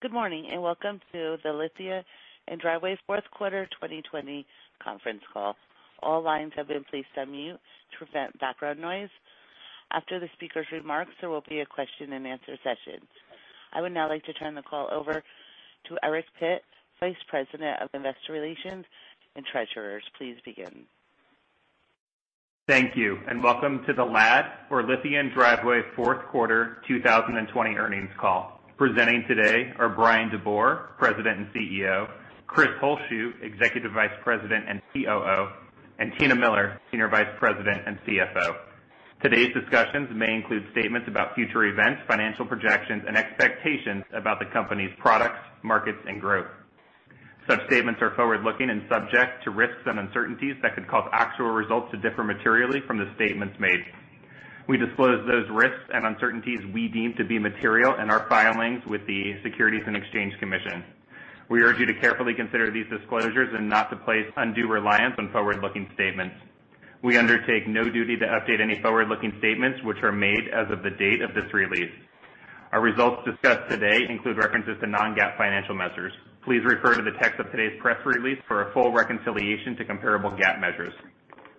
Good morning and welcome to the Lithia & Driveway Fourth Quarter 2020 conference call. All lines have been placed on mute to prevent background noise. After the speaker's remarks, there will be a question-and-answer session. I would now like to turn the call over to Eric Pitt, Vice President of Investor Relations and Treasurer. Please begin. Thank you and welcome to the Lithia & Driveway Fourth Quarter 2020 earnings call. Presenting today are Bryan DeBoer, President and CEO, Chris Holzshu, Executive Vice President and COO, and Tina Miller, Senior Vice President and CFO. Today's discussions may include statements about future events, financial projections, and expectations about the company's products, markets, and growth. Such statements are forward-looking and subject to risks and uncertainties that could cause actual results to differ materially from the statements made. We disclose those risks and uncertainties we deem to be material in our filings with the Securities and Exchange Commission. We urge you to carefully consider these disclosures and not to place undue reliance on forward-looking statements. We undertake no duty to update any forward-looking statements which are made as of the date of this release. Our results discussed today include references to non-GAAP financial measures. Please refer to the text of today's press release for a full reconciliation to comparable GAAP measures.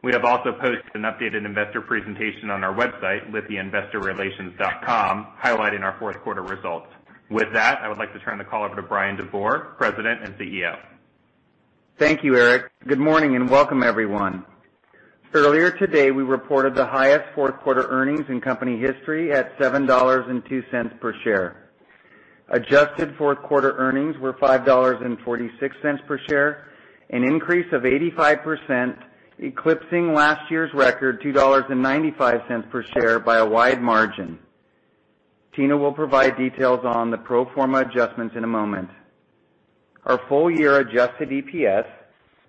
We have also posted an updated investor presentation on our website, lithiainvestorrelations.com, highlighting our fourth quarter results. With that, I would like to turn the call over to Bryan DeBoer, President and CEO. Thank you, Eric. Good morning and welcome, everyone. Earlier today, we reported the highest fourth quarter earnings in company history at $7.02 per share. Adjusted fourth quarter earnings were $5.46 per share, an increase of 85%, eclipsing last year's record $2.95 per share by a wide margin. Tina will provide details on the pro forma adjustments in a moment. Our full year adjusted EPS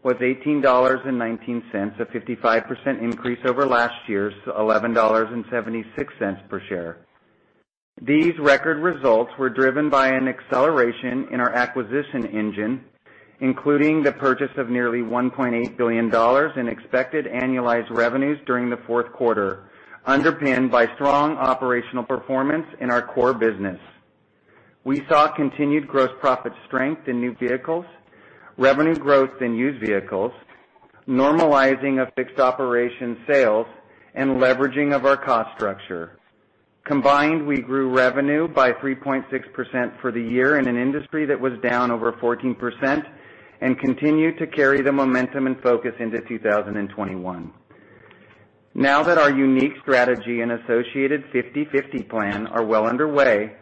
was $18.19, a 55% increase over last year's $11.76 per share. These record results were driven by an acceleration in our acquisition engine, including the purchase of nearly $1.8 billion in expected annualized revenues during the fourth quarter, underpinned by strong operational performance in our core business. We saw continued gross profit strength in new vehicles, revenue growth in used vehicles, normalizing of fixed operation sales, and leveraging of our cost structure. Combined, we grew revenue by 3.6% for the year in an industry that was down over 14% and continued to carry the momentum and focus into 2021. Now that our unique strategy and associated 50 & 50 Plan are well underway,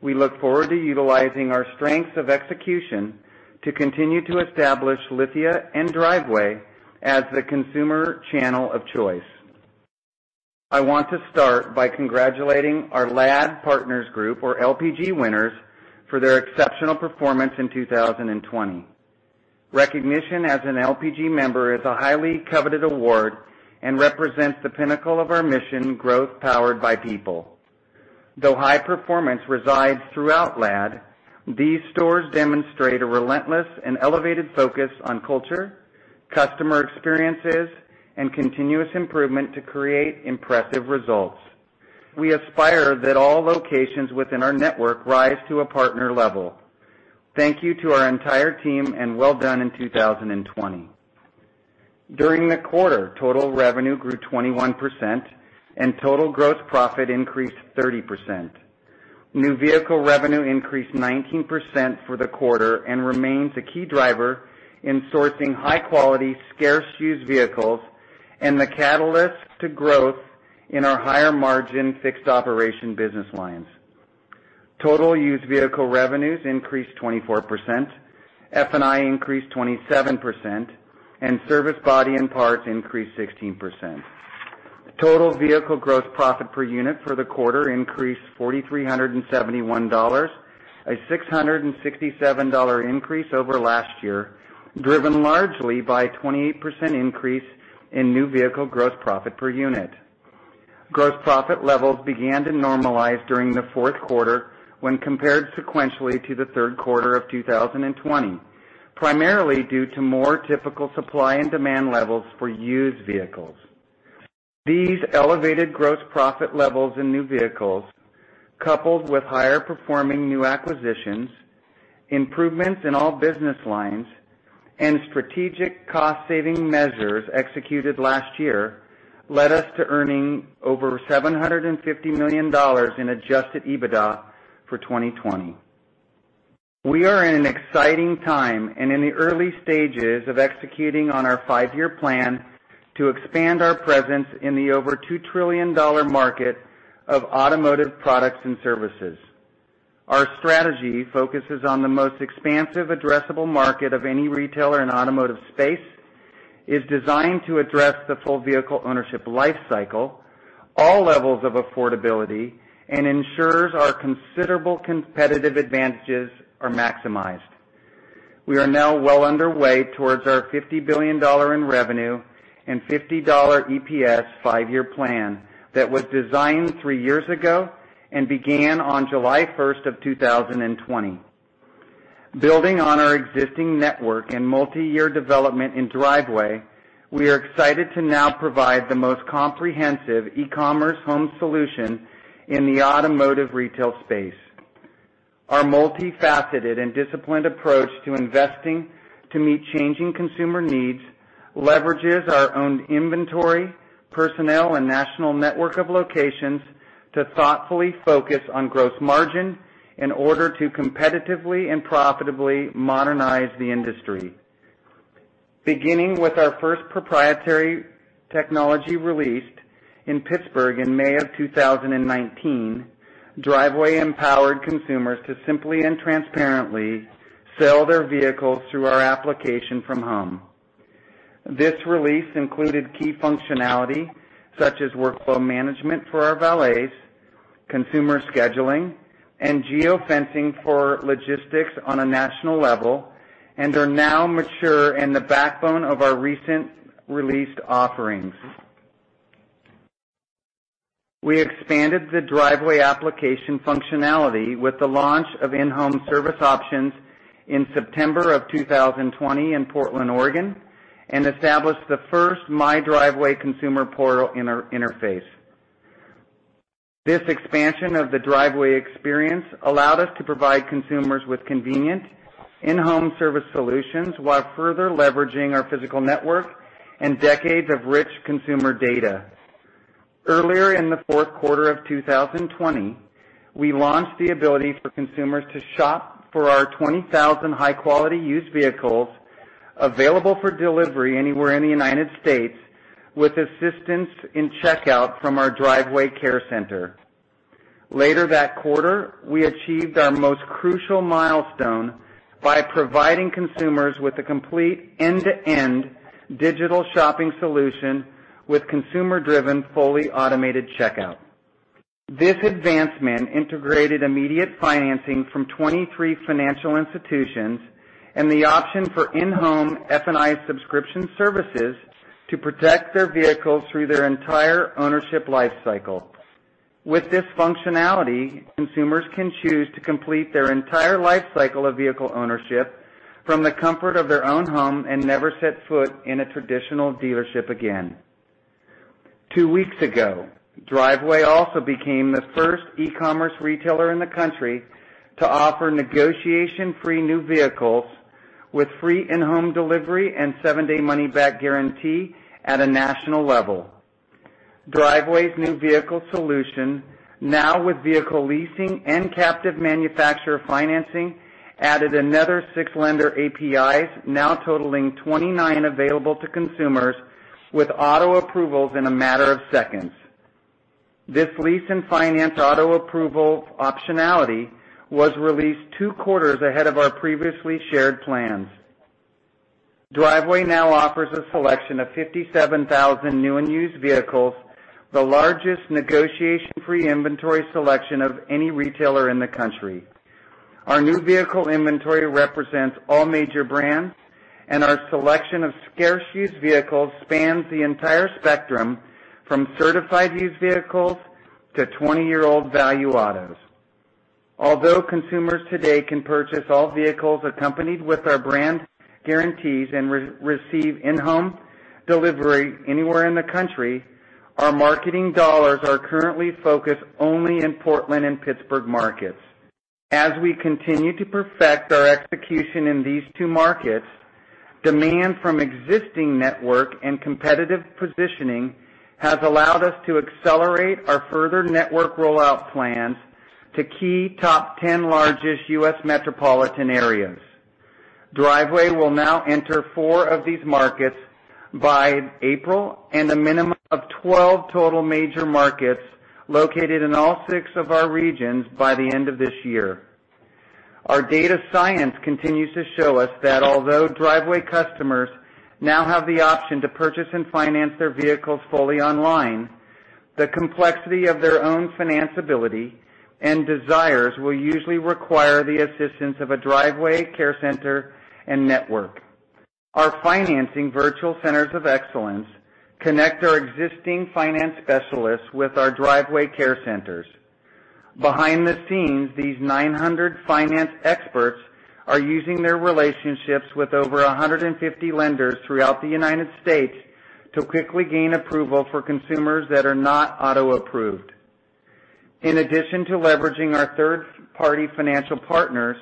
we look forward to utilizing our strengths of execution to continue to establish Lithia & Driveway as the consumer channel of choice. I want to start by congratulating our LAD Partner Group, or LPG Winners, for their exceptional performance in 2020. Recognition as an LPG member is a highly coveted award and represents the pinnacle of our mission, Growth Powered by People. Though high performance resides throughout LAD, these stores demonstrate a relentless and elevated focus on culture, customer experiences, and continuous improvement to create impressive results. We aspire that all locations within our network rise to a partner level. Thank you to our entire team and well done in 2020. During the quarter, total revenue grew 21% and total gross profit increased 30%. New vehicle revenue increased 19% for the quarter and remains a key driver in sourcing high-quality, scarce used vehicles and the catalyst to growth in our higher margin fixed operation business lines. Total used vehicle revenues increased 24%, F&I increased 27%, and Service, Body, and Parts increased 16%. Total vehicle gross profit per unit for the quarter increased $4,371, a $667 increase over last year, driven largely by a 28% increase in new vehicle gross profit per unit. Gross profit levels began to normalize during the fourth quarter when compared sequentially to the third quarter of 2020, primarily due to more typical supply and demand levels for used vehicles. These elevated gross profit levels in new vehicles, coupled with higher performing new acquisitions, improvements in all business lines, and strategic cost-saving measures executed last year, led us to earning over $750 million in adjusted EBITDA for 2020. We are in an exciting time and in the early stages of executing on our five-year plan to expand our presence in the over $2 trillion market of automotive products and services. Our strategy, focusing on the most expansive addressable market of any retailer in the automotive space, is designed to address the full vehicle ownership life cycle, all levels of affordability, and ensures our considerable competitive advantages are maximized. We are now well underway towards our $50 billion in revenue and $50 EPS five-year plan that was designed three years ago and began on July 1, 2020. Building on our existing network and multi-year development in Driveway, we are excited to now provide the most comprehensive e-commerce home solution in the automotive retail space. Our multi-faceted and disciplined approach to investing to meet changing consumer needs leverages our owned inventory, personnel, and national network of locations to thoughtfully focus on gross margin in order to competitively and profitably modernize the industry. Beginning with our first proprietary technology released in Pittsburgh in May of 2019, Driveway empowered consumers to simply and transparently sell their vehicles through our application from home. This release included key functionality such as workflow management for our valets, consumer scheduling, and geofencing for logistics on a national level, and are now mature in the backbone of our recently released offerings. We expanded the Driveway application functionality with the launch of in-home service options in September of 2020 in Portland, Oregon, and established the first My Driveway consumer portal interface. This expansion of the Driveway experience allowed us to provide consumers with convenient in-home service solutions while further leveraging our physical network and decades of rich consumer data. Earlier in the fourth quarter of 2020, we launched the ability for consumers to shop for our 20,000 high-quality used vehicles available for delivery anywhere in the United States with assistance in checkout from our Driveway Care Center. Later that quarter, we achieved our most crucial milestone by providing consumers with a complete end-to-end digital shopping solution with consumer-driven, fully automated checkout. This advancement integrated immediate financing from 23 financial institutions and the option for in-home F&I subscription services to protect their vehicles through their entire ownership life cycle. With this functionality, consumers can choose to complete their entire life cycle of vehicle ownership from the comfort of their own home and never set foot in a traditional dealership again. Two weeks ago, Driveway also became the first e-commerce retailer in the country to offer negotiation-free new vehicles with free in-home delivery and seven-day money-back guarantee at a national level. Driveway's new vehicle solution, now with vehicle leasing and captive manufacturer financing, added another six lender APIs, now totaling 29 available to consumers with auto approvals in a matter of seconds. This lease and finance auto approval optionality was released two quarters ahead of our previously shared plans. Driveway now offers a selection of 57,000 new and used vehicles, the largest negotiation-free inventory selection of any retailer in the country. Our new vehicle inventory represents all major brands, and our selection of scarce used vehicles spans the entire spectrum from Certified used vehicles to 20-year-old Value Autos. Although consumers today can purchase all vehicles accompanied with our brand guarantees and receive in-home delivery anywhere in the country, our marketing dollars are currently focused only in Portland and Pittsburgh markets. As we continue to perfect our execution in these two markets, demand from existing network and competitive positioning has allowed us to accelerate our further network rollout plans to key top 10 largest U.S. metropolitan areas. Driveway will now enter four of these markets by April and a minimum of 12 total major markets located in all six of our regions by the end of this year. Our data science continues to show us that although Driveway customers now have the option to purchase and finance their vehicles fully online, the complexity of their own financial ability and desires will usually require the assistance of a Driveway Care Center and network. Our financing virtual Centers of Excellence connect our existing finance specialists with our Driveway Care Centers. Behind the scenes, these 900 finance experts are using their relationships with over 150 lenders throughout the United States to quickly gain approval for consumers that are not auto-approved. In addition to leveraging our third-party financial partners,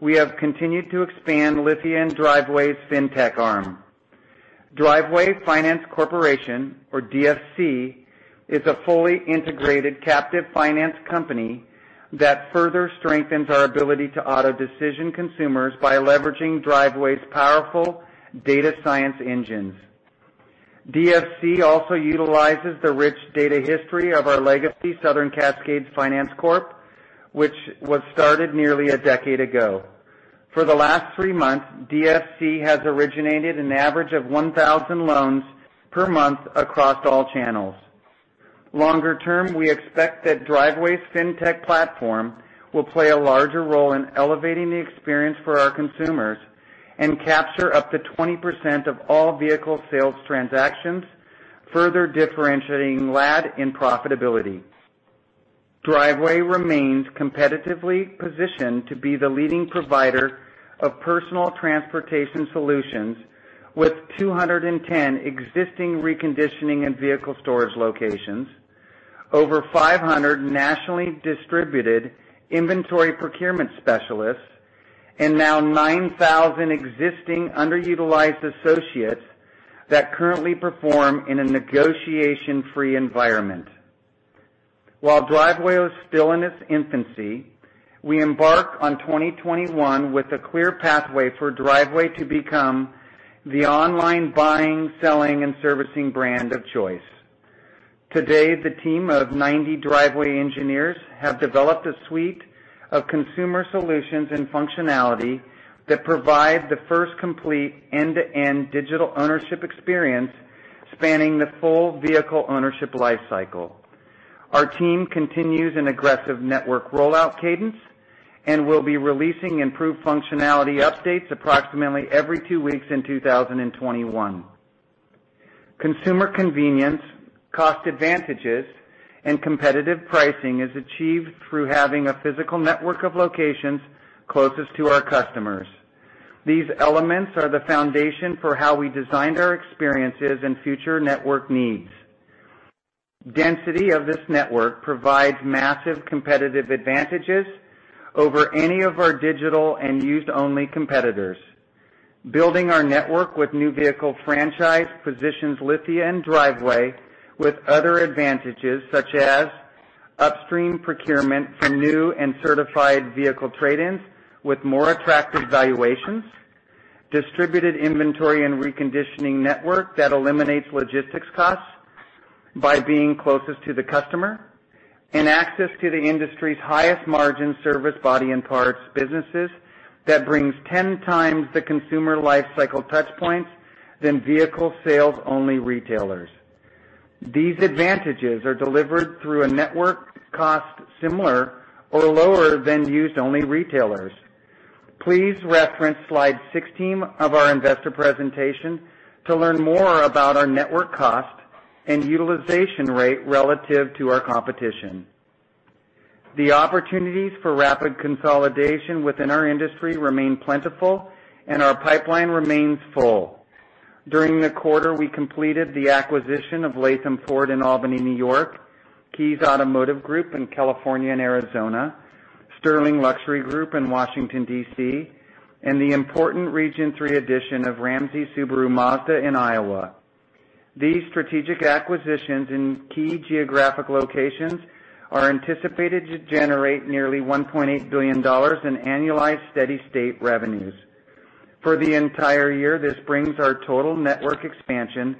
we have continued to expand Lithia & Driveway's fintech arm. Driveway Finance Corporation, or DFC, is a fully integrated captive finance company that further strengthens our ability to auto-decision consumers by leveraging Driveway's powerful data science engines. DFC also utilizes the rich data history of our legacy Southern Cascade Finance Corp, which was started nearly a decade ago. For the last three months, DFC has originated an average of 1,000 loans per month across all channels. Longer term, we expect that Driveway's fintech platform will play a larger role in elevating the experience for our consumers and capture up to 20% of all vehicle sales transactions, further differentiating LAD in profitability. Driveway remains competitively positioned to be the leading provider of personal transportation solutions with 210 existing reconditioning and vehicle storage locations, over 500 nationally distributed inventory procurement specialists, and now 9,000 existing underutilized associates that currently perform in a negotiation-free environment. While Driveway is still in its infancy, we embark on 2021 with a clear pathway for Driveway to become the online buying, selling, and servicing brand of choice. Today, the team of 90 Driveway engineers have developed a suite of consumer solutions and functionality that provide the first complete end-to-end digital ownership experience spanning the full vehicle ownership life cycle. Our team continues an aggressive network rollout cadence and will be releasing improved functionality updates approximately every two weeks in 2021. Consumer convenience, cost advantages, and competitive pricing are achieved through having a physical network of locations closest to our customers. These elements are the foundation for how we designed our experiences and future network needs. Density of this network provides massive competitive advantages over any of our digital and used-only competitors. Building our network with new vehicle franchise positions Lithia & Driveway with other advantages such as upstream procurement for new and Certified vehicle trade-ins with more attractive valuations, distributed inventory and reconditioning network that eliminates logistics costs by being closest to the customer, and access to the industry's highest margin service, body, and parts businesses that brings 10 times the consumer life cycle touchpoints than vehicle sales-only retailers. These advantages are delivered through a network cost similar or lower than used-only retailers. Please reference slide 16 of our investor presentation to learn more about our network cost and utilization rate relative to our competition. The opportunities for rapid consolidation within our industry remain plentiful, and our pipeline remains full. During the quarter, we completed the acquisition of Latham Ford in Albany, New York, Keyes Automotive Group in California and Arizona, Sterling Motorcars in Washington, D.C., and the important Region 3 addition of Ramsey Subaru Mazda in Iowa. These strategic acquisitions in key geographic locations are anticipated to generate nearly $1.8 billion in annualized steady-state revenues. For the entire year, this brings our total network expansion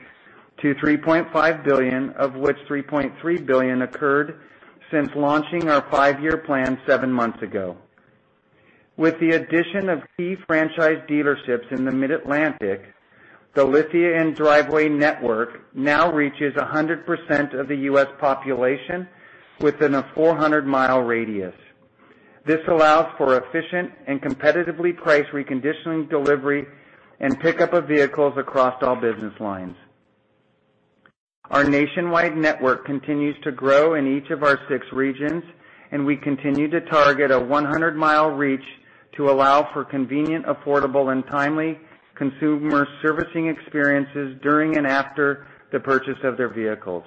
to $3.5 billion, of which $3.3 billion occurred since launching our five-year plan seven months ago. With the addition of key franchise dealerships in the Mid-Atlantic, the Lithia & Driveway network now reaches 100% of the U.S. population within a 400-mile radius. This allows for efficient and competitively priced reconditioning delivery and pickup of vehicles across all business lines. Our nationwide network continues to grow in each of our six regions, and we continue to target a 100-mile reach to allow for convenient, affordable, and timely consumer servicing experiences during and after the purchase of their vehicles.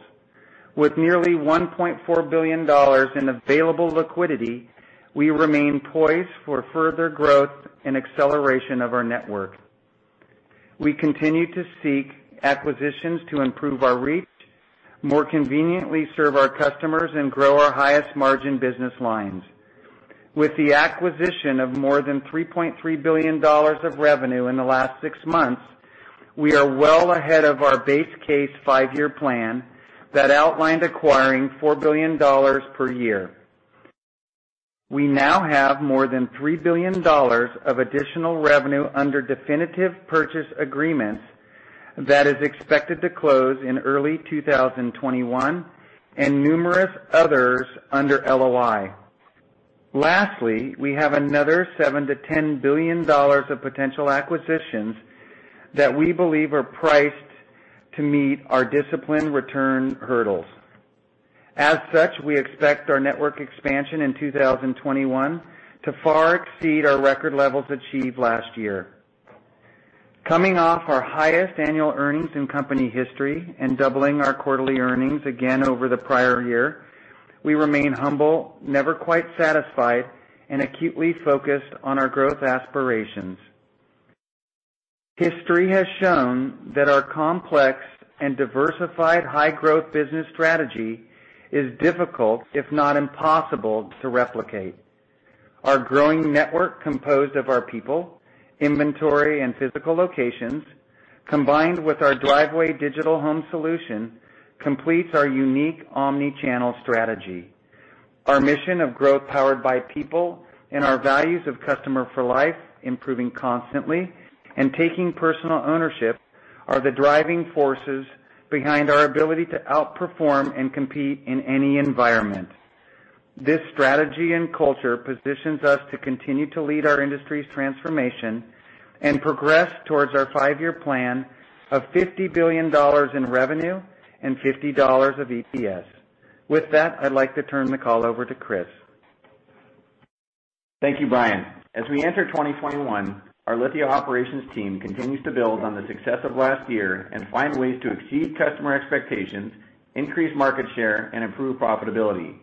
With nearly $1.4 billion in available liquidity, we remain poised for further growth and acceleration of our network. We continue to seek acquisitions to improve our reach, more conveniently serve our customers, and grow our highest margin business lines. With the acquisition of more than $3.3 billion of revenue in the last six months, we are well ahead of our base case five-year plan that outlined acquiring $4 billion per year. We now have more than $3 billion of additional revenue under definitive purchase agreements that is expected to close in early 2021 and numerous others under LOI. Lastly, we have another $7-$10 billion of potential acquisitions that we believe are priced to meet our discipline return hurdles. As such, we expect our network expansion in 2021 to far exceed our record levels achieved last year. Coming off our highest annual earnings in company history and doubling our quarterly earnings again over the prior year, we remain humble, never quite satisfied, and acutely focused on our growth aspirations. History has shown that our complex and diversified high-growth business strategy is difficult, if not impossible, to replicate. Our growing network composed of our people, inventory, and physical locations, combined with our Driveway digital home solution, completes our unique omnichannel strategy. Our mission of Growth Powered by People and our values of Customer for Life, Improving Constantly, and Taking Personal Ownership, are the driving forces behind our ability to outperform and compete in any environment. This strategy and culture positions us to continue to lead our industry's transformation and progress towards our five-year plan of $50 billion in revenue and $50 of EPS. With that, I'd like to turn the call over to Chris. Thank you, Bryan. As we enter 2021, our Lithia operations team continues to build on the success of last year and find ways to exceed customer expectations, increase market share, and improve profitability.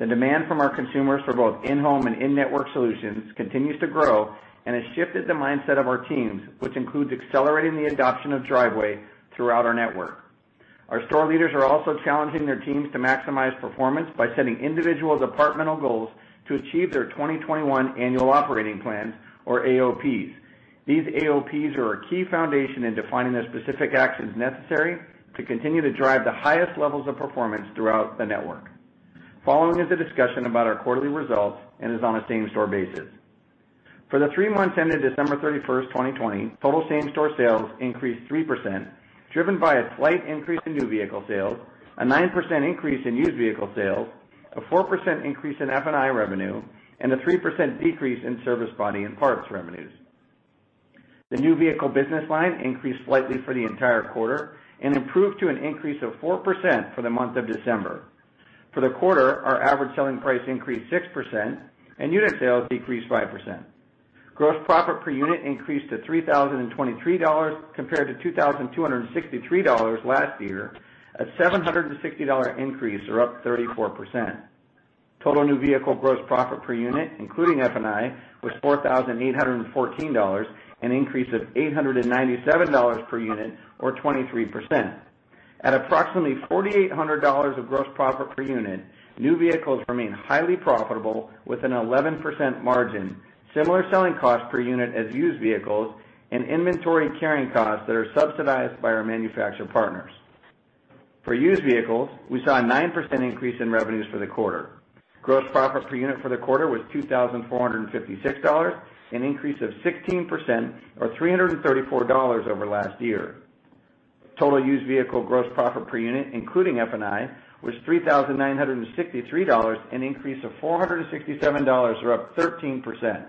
The demand from our consumers for both in-home and in-network solutions continues to grow and has shifted the mindset of our teams, which includes accelerating the adoption of Driveway throughout our network. Our store leaders are also challenging their teams to maximize performance by setting individual departmental goals to achieve their 2021 annual operating plans, or AOPs. These AOPs are a key foundation in defining the specific actions necessary to continue to drive the highest levels of performance throughout the network. Following is a discussion about our quarterly results and is on a same-store basis. For the three months ended December 31st, 2020, total same-store sales increased 3%, driven by a slight increase in new vehicle sales, a 9% increase in used vehicle sales, a 4% increase in F&I revenue, and a 3% decrease in Service, Body, and Parts revenues. The new vehicle business line increased slightly for the entire quarter and improved to an increase of 4% for the month of December. For the quarter, our average selling price increased 6%, and unit sales decreased 5%. Gross profit per unit increased to $3,023 compared to $2,263 last year, a $760 increase, or up 34%. Total new vehicle gross profit per unit, including F&I, was $4,814, an increase of $897 per unit, or 23%. At approximately $4,800 of gross profit per unit, new vehicles remain highly profitable with an 11% margin, similar selling costs per unit as used vehicles and inventory carrying costs that are subsidized by our manufacturer partners. For used vehicles, we saw a 9% increase in revenues for the quarter. Gross profit per unit for the quarter was $2,456, an increase of 16%, or $334 over last year. Total used vehicle gross profit per unit, including F&I, was $3,963, an increase of $467, or up 13%.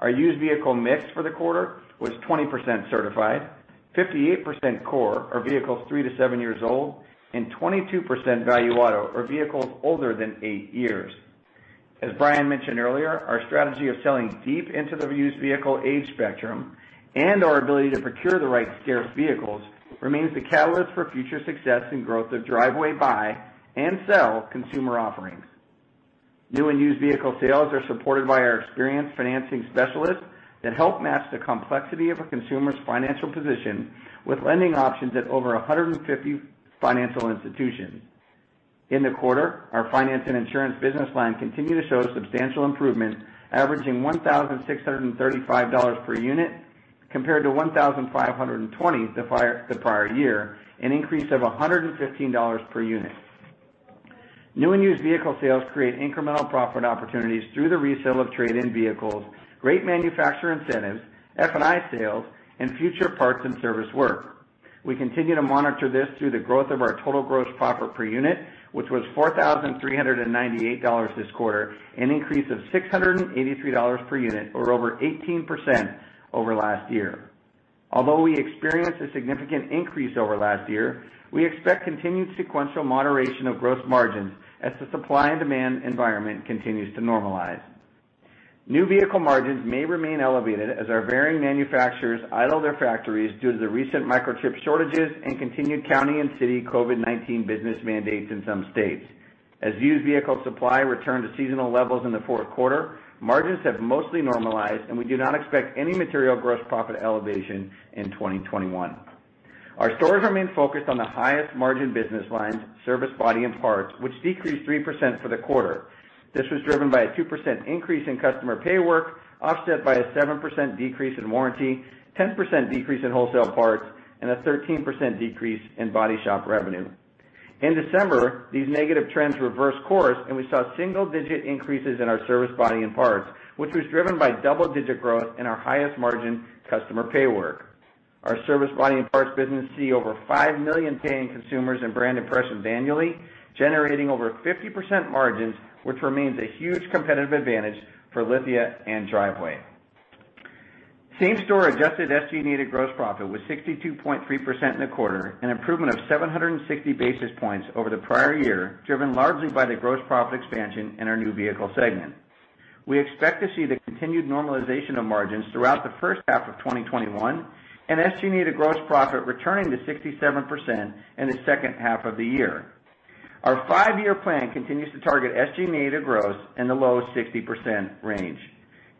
Our used vehicle mix for the quarter was 20% Certified, 58% core, or vehicles 3 to 7 years old, and 22% Value Auto, or vehicles older than 8 years. As Bryan mentioned earlier, our strategy of selling deep into the used vehicle age spectrum and our ability to procure the right scarce vehicles remains the catalyst for future success and growth of Driveway Buy and Sell consumer offerings. New and used vehicle sales are supported by our experienced financing specialists that help match the complexity of a consumer's financial position with lending options at over 150 financial institutions. In the quarter, our finance and insurance business line continued to show substantial improvement, averaging $1,635 per unit compared to $1,520 the prior year, an increase of $115 per unit. New and used vehicle sales create incremental profit opportunities through the resale of trade-in vehicles, rate manufacturer incentives, F&I sales, and future parts and service work. We continue to monitor this through the growth of our total gross profit per unit, which was $4,398 this quarter, an increase of $683 per unit, or over 18% over last year. Although we experienced a significant increase over last year, we expect continued sequential moderation of gross margins as the supply and demand environment continues to normalize. New vehicle margins may remain elevated as our varying manufacturers idle their factories due to the recent microchip shortages and continued county and city COVID-19 business mandates in some states. As used vehicle supply returned to seasonal levels in the fourth quarter, margins have mostly normalized, and we do not expect any material gross profit elevation in 2021. Our stores remain focused on the highest margin business lines, Service, Body, and Parts, which decreased 3% for the quarter. This was driven by a 2% increase in customer pay work, offset by a 7% decrease in warranty, 10% decrease in wholesale parts, and a 13% decrease in body shop revenue. In December, these negative trends reversed course, and we saw single-digit increases in our service, body, and parts, which was driven by double-digit growth in our highest margin customer pay work. Our service, body, and parts business see over $5 million paying consumers and brand impressions annually, generating over 50% margins, which remains a huge competitive advantage for Lithia & Driveway. Same-store adjusted SG&A gross profit was 62.3% in the quarter, an improvement of 760 basis points over the prior year, driven largely by the gross profit expansion in our new vehicle segment. We expect to see the continued normalization of margins throughout the first half of 2021 and SG&A gross profit returning to 67% in the second half of the year. Our five-year plan continues to target SG&A gross in the low 60% range.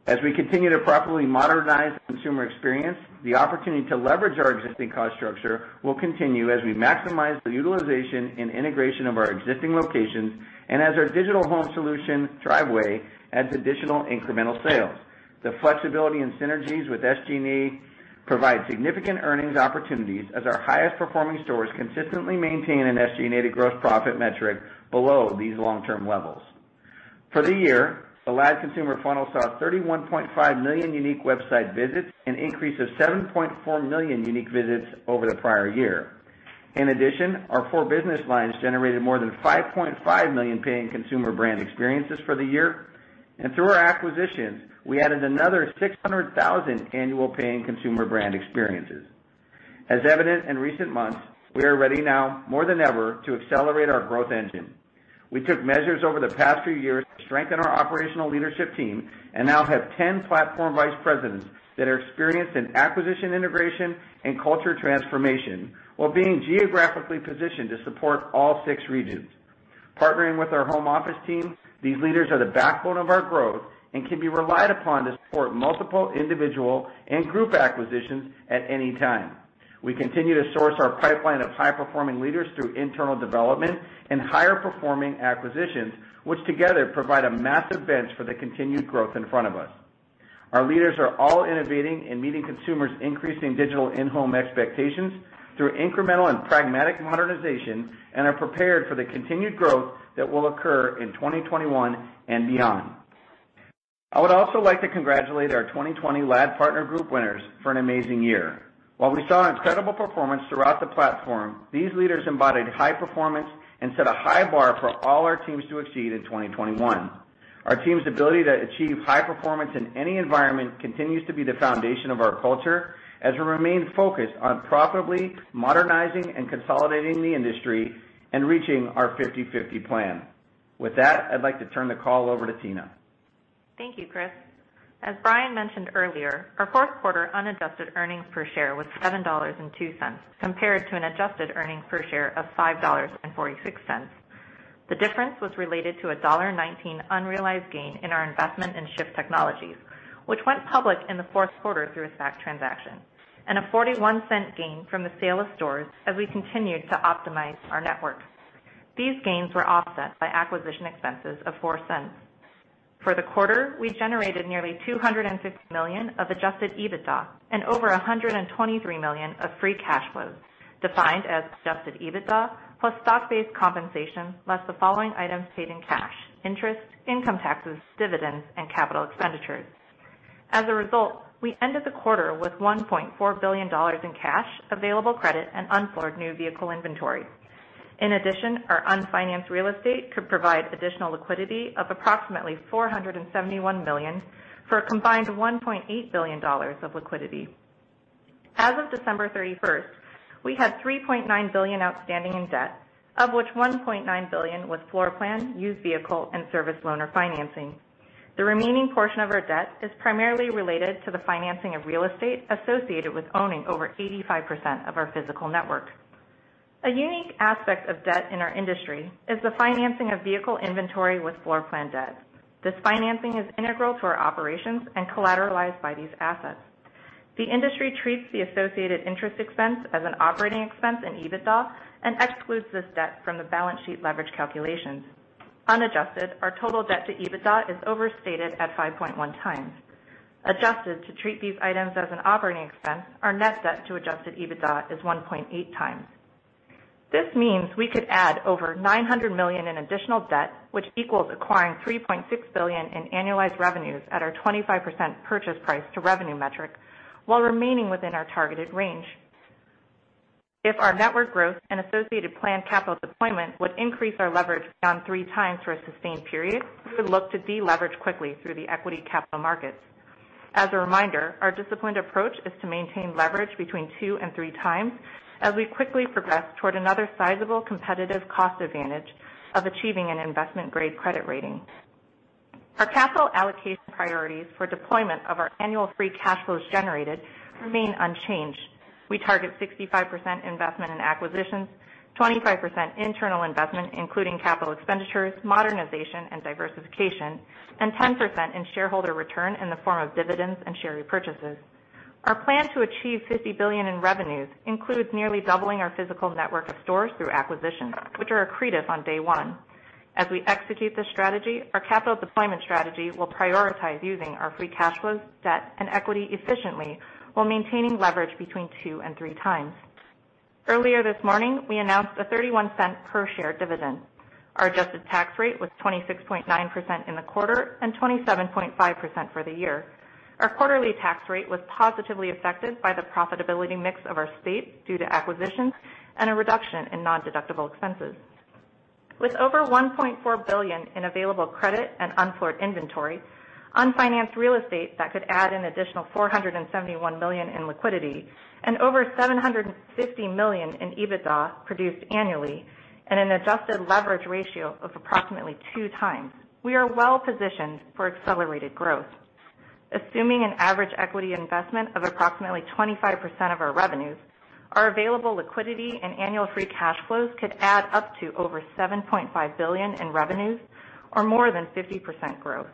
As we continue to properly modernize the consumer experience, the opportunity to leverage our existing cost structure will continue as we maximize the utilization and integration of our existing locations and as our digital home solution, Driveway, adds additional incremental sales. The flexibility and synergies with SG&A provide significant earnings opportunities as our highest-performing stores consistently maintain an SG&A gross profit metric below these long-term levels. For the year, the live consumer funnel saw 31.5 million unique website visits and an increase of 7.4 million unique visits over the prior year. In addition, our four business lines generated more than 5.5 million paying consumer brand experiences for the year, and through our acquisitions, we added another 600,000 annual paying consumer brand experiences. As evident in recent months, we are ready now, more than ever, to accelerate our growth engine. We took measures over the past few years to strengthen our operational leadership team and now have 10 platform vice presidents that are experienced in acquisition integration and culture transformation, while being geographically positioned to support all six regions. Partnering with our home office team, these leaders are the backbone of our growth and can be relied upon to support multiple individual and group acquisitions at any time. We continue to source our pipeline of high-performing leaders through internal development and higher-performing acquisitions, which together provide a massive bench for the continued growth in front of us. Our leaders are all innovating and meeting consumers' increasing digital in-home expectations through incremental and pragmatic modernization and are prepared for the continued growth that will occur in 2021 and beyond. I would also like to congratulate our 2020 LAD Partner Group winners for an amazing year. While we saw incredible performance throughout the platform, these leaders embodied high performance and set a high bar for all our teams to exceed in 2021. Our team's ability to achieve high performance in any environment continues to be the foundation of our culture as we remain focused on profitably modernizing and consolidating the industry and reaching our 50 & 50 Plan. With that, I'd like to turn the call over to Tina. Thank you, Chris. As Bryan mentioned earlier, our fourth quarter unadjusted earnings per share was $7.02 compared to an adjusted earnings per share of $5.46. The difference was related to a $1.19 unrealized gain in our investment in Shift Technologies, which went public in the fourth quarter through a SPAC transaction, and a $0.41 gain from the sale of stores as we continued to optimize our network. These gains were offset by acquisition expenses of $0.04. For the quarter, we generated nearly $250 million of adjusted EBITDA and over $123 million of free cash flows, defined as adjusted EBITDA plus stock-based compensation less the following items paid in cash: interest, income taxes, dividends, and capital expenditures. As a result, we ended the quarter with $1.4 billion in cash, available credit, and unfloored new vehicle inventory. In addition, our unfinanced real estate could provide additional liquidity of approximately $471 million for a combined $1.8 billion of liquidity. As of December 31st, we had $3.9 billion outstanding in debt, of which $1.9 billion was floor plan, used vehicle, and service loaner financing. The remaining portion of our debt is primarily related to the financing of real estate associated with owning over 85% of our physical network. A unique aspect of debt in our industry is the financing of vehicle inventory with floor plan debt. This financing is integral to our operations and collateralized by these assets. The industry treats the associated interest expense as an operating expense in EBITDA and excludes this debt from the balance sheet leverage calculations. Unadjusted, our total debt to EBITDA is overstated at 5.1 times. Adjusted to treat these items as an operating expense, our net debt to adjusted EBITDA is 1.8 times. This means we could add over $900 million in additional debt, which equals acquiring $3.6 billion in annualized revenues at our 25% purchase price to revenue metric, while remaining within our targeted range. If our network growth and associated planned capital deployment would increase our leverage beyond three times for a sustained period, we would look to deleverage quickly through the equity capital markets. As a reminder, our disciplined approach is to maintain leverage between two and three times as we quickly progress toward another sizable competitive cost advantage of achieving an investment-grade credit rating. Our capital allocation priorities for deployment of our annual free cash flows generated remain unchanged. We target 65% investment in acquisitions, 25% internal investment, including capital expenditures, modernization, and diversification, and 10% in shareholder return in the form of dividends and share repurchases. Our plan to achieve $50 billion in revenues includes nearly doubling our physical network of stores through acquisitions, which are accretive on day one. As we execute this strategy, our capital deployment strategy will prioritize using our free cash flows, debt, and equity efficiently while maintaining leverage between two and three times. Earlier this morning, we announced a $0.31 per share dividend. Our adjusted tax rate was 26.9% in the quarter and 27.5% for the year. Our quarterly tax rate was positively affected by the profitability mix of our state due to acquisitions and a reduction in non-deductible expenses. With over $1.4 billion in available credit and unfloored inventory, unfinanced real estate that could add an additional $471 million in liquidity, and over $750 million in EBITDA produced annually, and an adjusted leverage ratio of approximately two times, we are well-positioned for accelerated growth. Assuming an average equity investment of approximately 25% of our revenues, our available liquidity and annual free cash flows could add up to over $7.5 billion in revenues or more than 50% growth.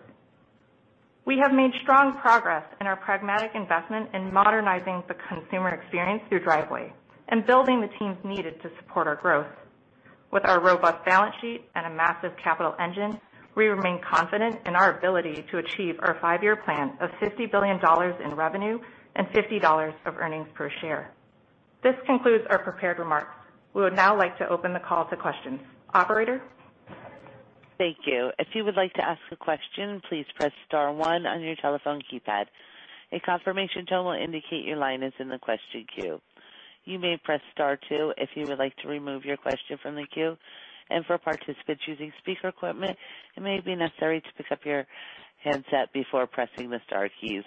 We have made strong progress in our pragmatic investment in modernizing the consumer experience through Driveway and building the teams needed to support our growth. With our robust balance sheet and a massive capital engine, we remain confident in our ability to achieve our five-year plan of $50 billion in revenue and $50 of earnings per share. This concludes our prepared remarks. We would now like to open the call to questions. Operator? Thank you. If you would like to ask a question, please press Star 1 on your telephone keypad. A confirmation tone will indicate your line is in the question queue. You may press Star 2 if you would like to remove your question from the queue. And for participants using speaker equipment, it may be necessary to pick up your headset before pressing the Star keys.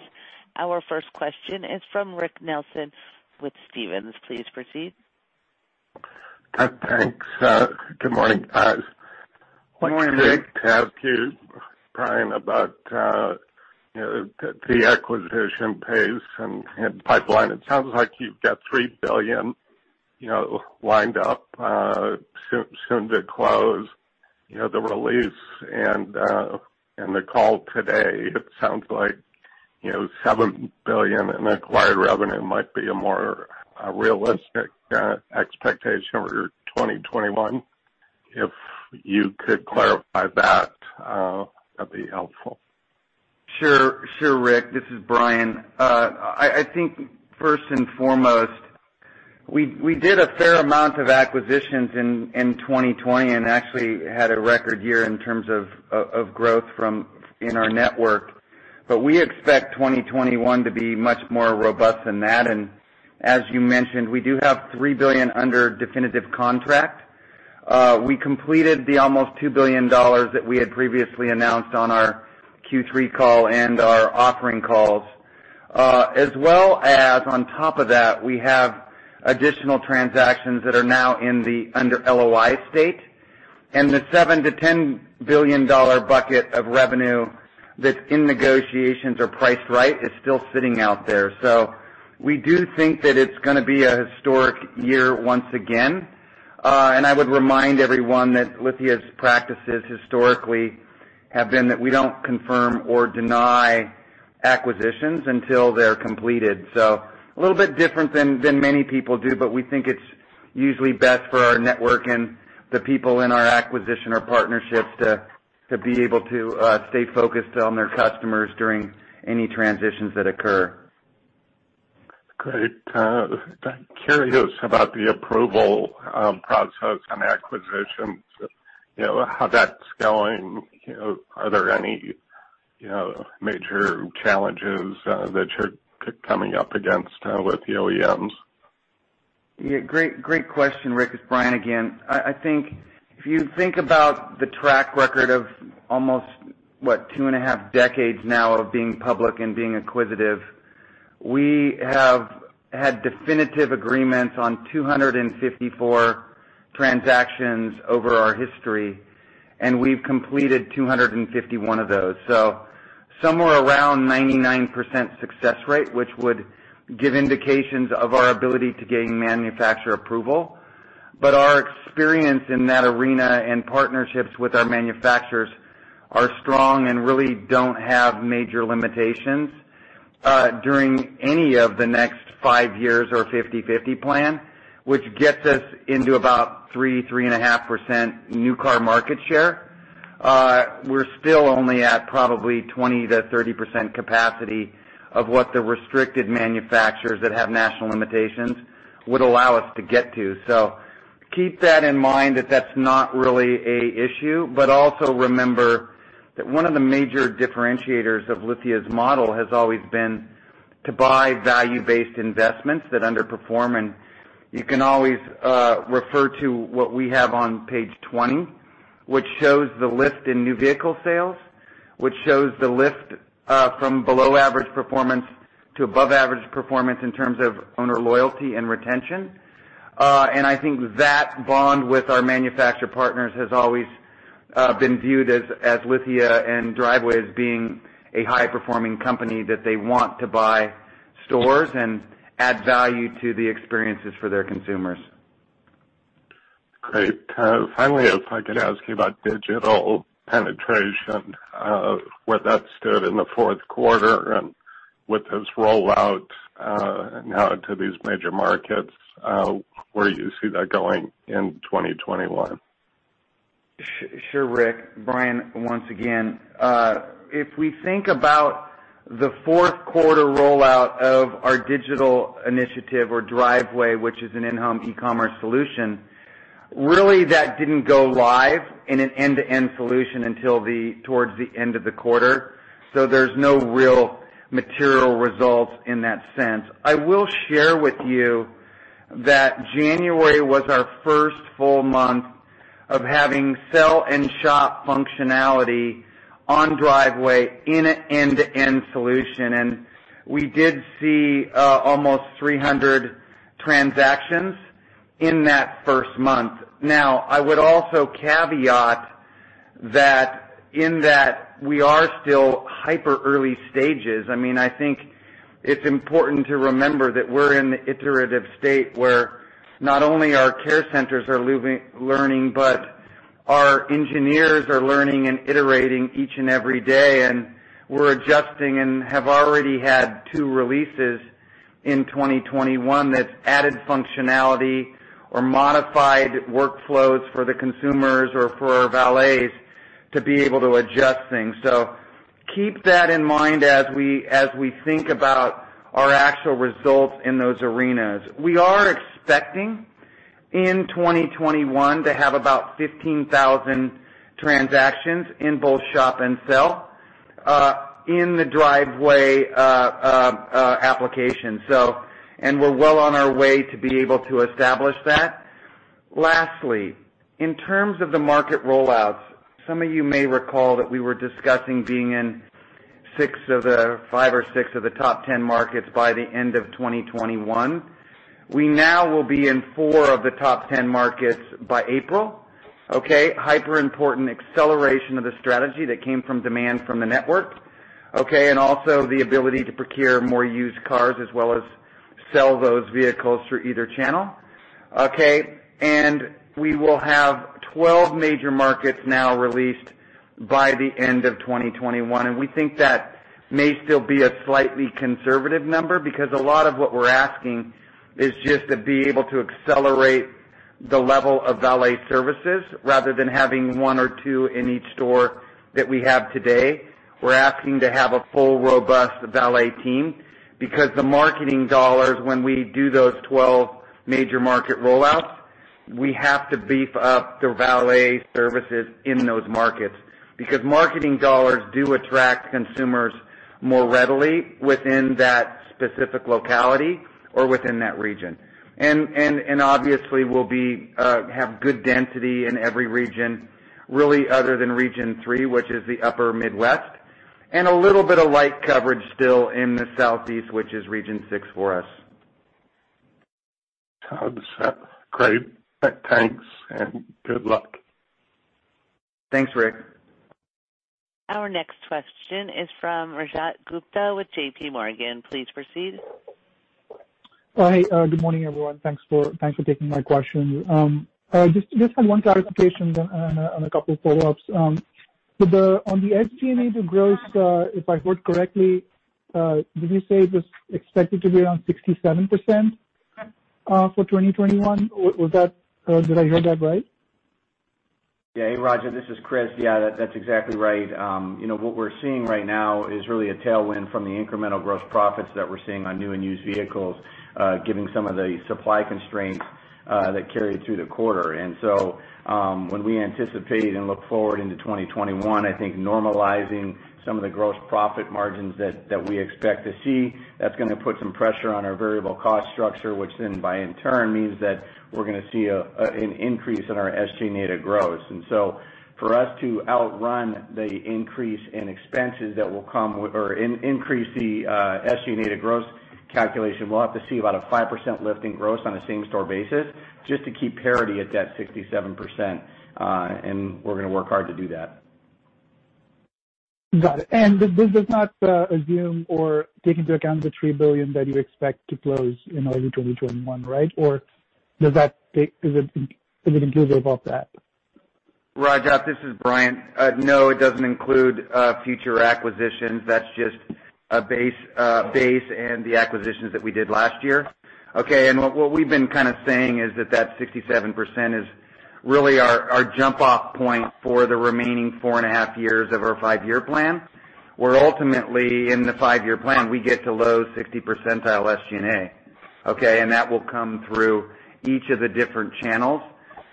Our first question is from Rick Nelson with Stephens. Please proceed. Thanks. Good morning. Good morning, Rick. Thank you. Bryan, about the acquisition pace and pipeline. It sounds like you've got $3 billion lined up soon to close, the release, and the call today. It sounds like $7 billion in acquired revenue might be a more realistic expectation for 2021. If you could clarify that, that'd be helpful. Sure, Rick. This is Bryan. I think first and foremost, we did a fair amount of acquisitions in 2020 and actually had a record year in terms of growth in our network. But we expect 2021 to be much more robust than that. As you mentioned, we do have $3 billion under definitive contract. We completed the almost $2 billion that we had previously announced on our Q3 call and our offering calls. As well as on top of that, we have additional transactions that are now under LOI stage. And the $7-$10 billion bucket of revenue that's in negotiations or priced right is still sitting out there. So we do think that it's going to be a historic year once again. And I would remind everyone that Lithia's practices historically have been that we don't confirm or deny acquisitions until they're completed. So a little bit different than many people do, but we think it's usually best for our network and the people in our acquisition or partnerships to be able to stay focused on their customers during any transitions that occur. Great. I'm curious about the approval process on acquisitions, how that's going. Are there any major challenges that you're coming up against with the OEMs? Yeah. Great question, Rick. It's Bryan again. I think if you think about the track record of almost, what, two and a half decades now of being public and being acquisitive, we have had definitive agreements on 254 transactions over our history, and we've completed 251 of those. So somewhere around 99% success rate, which would give indications of our ability to gain manufacturer approval. But our experience in that arena and partnerships with our manufacturers are strong and really don't have major limitations during any of the next five years or 50 & 50 Plan, which gets us into about 3-3.5% new car market share. We're still only at probably 20%-30% capacity of what the restricted manufacturers that have national limitations would allow us to get to. So keep that in mind that that's not really an issue. But also remember that one of the major differentiators of Lithia's model has always been to buy value-based investments that underperform. And you can always refer to what we have on page 20, which shows the lift in new vehicle sales, which shows the lift from below average performance to above average performance in terms of owner loyalty and retention. And I think that bond with our manufacturer partners has always been viewed as Lithia & Driveway as being a high-performing company that they want to buy stores and add value to the experiences for their consumers. Great. Finally, if I could ask you about digital penetration, where that stood in the fourth quarter and with this rollout now into these major markets, where do you see that going in 2021? Sure, Rick. Bryan, once again, if we think about the fourth quarter rollout of our digital initiative or Driveway, which is an in-home e-commerce solution, really that didn't go live in an end-to-end solution until towards the end of the quarter. So there's no real material results in that sense. I will share with you that January was our first full month of having sell-and-shop functionality on Driveway in an end-to-end solution. And we did see almost 300 transactions in that first month. Now, I would also caveat that in that we are still hyper-early stages. I mean, I think it's important to remember that we're in the iterative state where not only our care centers are learning, but our engineers are learning and iterating each and every day. And we're adjusting and have already had two releases in 2021 that added functionality or modified workflows for the consumers or for our valets to be able to adjust things. So keep that in mind as we think about our actual results in those arenas. We are expecting in 2021 to have about 15,000 transactions in both Shop and Sell in the Driveway application. And we're well on our way to be able to establish that. Lastly, in terms of the market rollouts, some of you may recall that we were discussing being in six of the five or six of the top 10 markets by the end of 2021. We now will be in four of the top 10 markets by April. Okay? Hyper-important acceleration of the strategy that came from demand from the network. Okay? And also the ability to procure more used cars as well as sell those vehicles through either channel. Okay? And we will have 12 major markets now released by the end of 2021. And we think that may still be a slightly conservative number because a lot of what we're asking is just to be able to accelerate the level of valet services rather than having one or two in each store that we have today. We're asking to have a full, robust valet team because the marketing dollars, when we do those 12 major market rollouts, we have to beef up the valet services in those markets because marketing dollars do attract consumers more readily within that specific locality or within that region. And obviously, we'll have good density in every region, really, other than Region 3, which is the upper Midwest, and a little bit of light coverage still in the Southeast, which is Region 6 for us. Great. Thanks. And good luck. Thanks, Rick. Our next question is from Rajat Gupta with JPMorgan. Please proceed. Hi. Good morning, everyone. Thanks for taking my questions. Just had one clarification and a couple of follow-ups. On the SG&A growth, if I heard correctly, did you say it was expected to be around 67% for 2021? Did I hear that right? Yeah. Hey, Rajat. This is Chris. Yeah, that's exactly right. What we're seeing right now is really a tailwind from the incremental gross profits that we're seeing on new and used vehicles, given some of the supply constraints that carried through the quarter, and so when we anticipate and look forward into 2021, I think normalizing some of the gross profit margins that we expect to see, that's going to put some pressure on our variable cost structure, which then, in turn, means that we're going to see an increase in our SG&A to Gross, and so for us to outrun the increase in expenses that will come or increase the SG&A to Gross calculation, we'll have to see about a 5% lift in growth on a same-store basis just to keep parity at that 67%, and we're going to work hard to do that. Got it. This does not assume or take into account the $3 billion that you expect to close in early 2021, right? Or does that take? Is it inclusive of that? Rajat, this is Bryan. No, it doesn't include future acquisitions. That's just a base and the acquisitions that we did last year. Okay? And what we've been kind of saying is that that 67% is really our jump-off point for the remaining four and a half years of our five-year plan, where ultimately, in the five-year plan, we get to low 60 percentile SG&A. Okay? And that will come through each of the different channels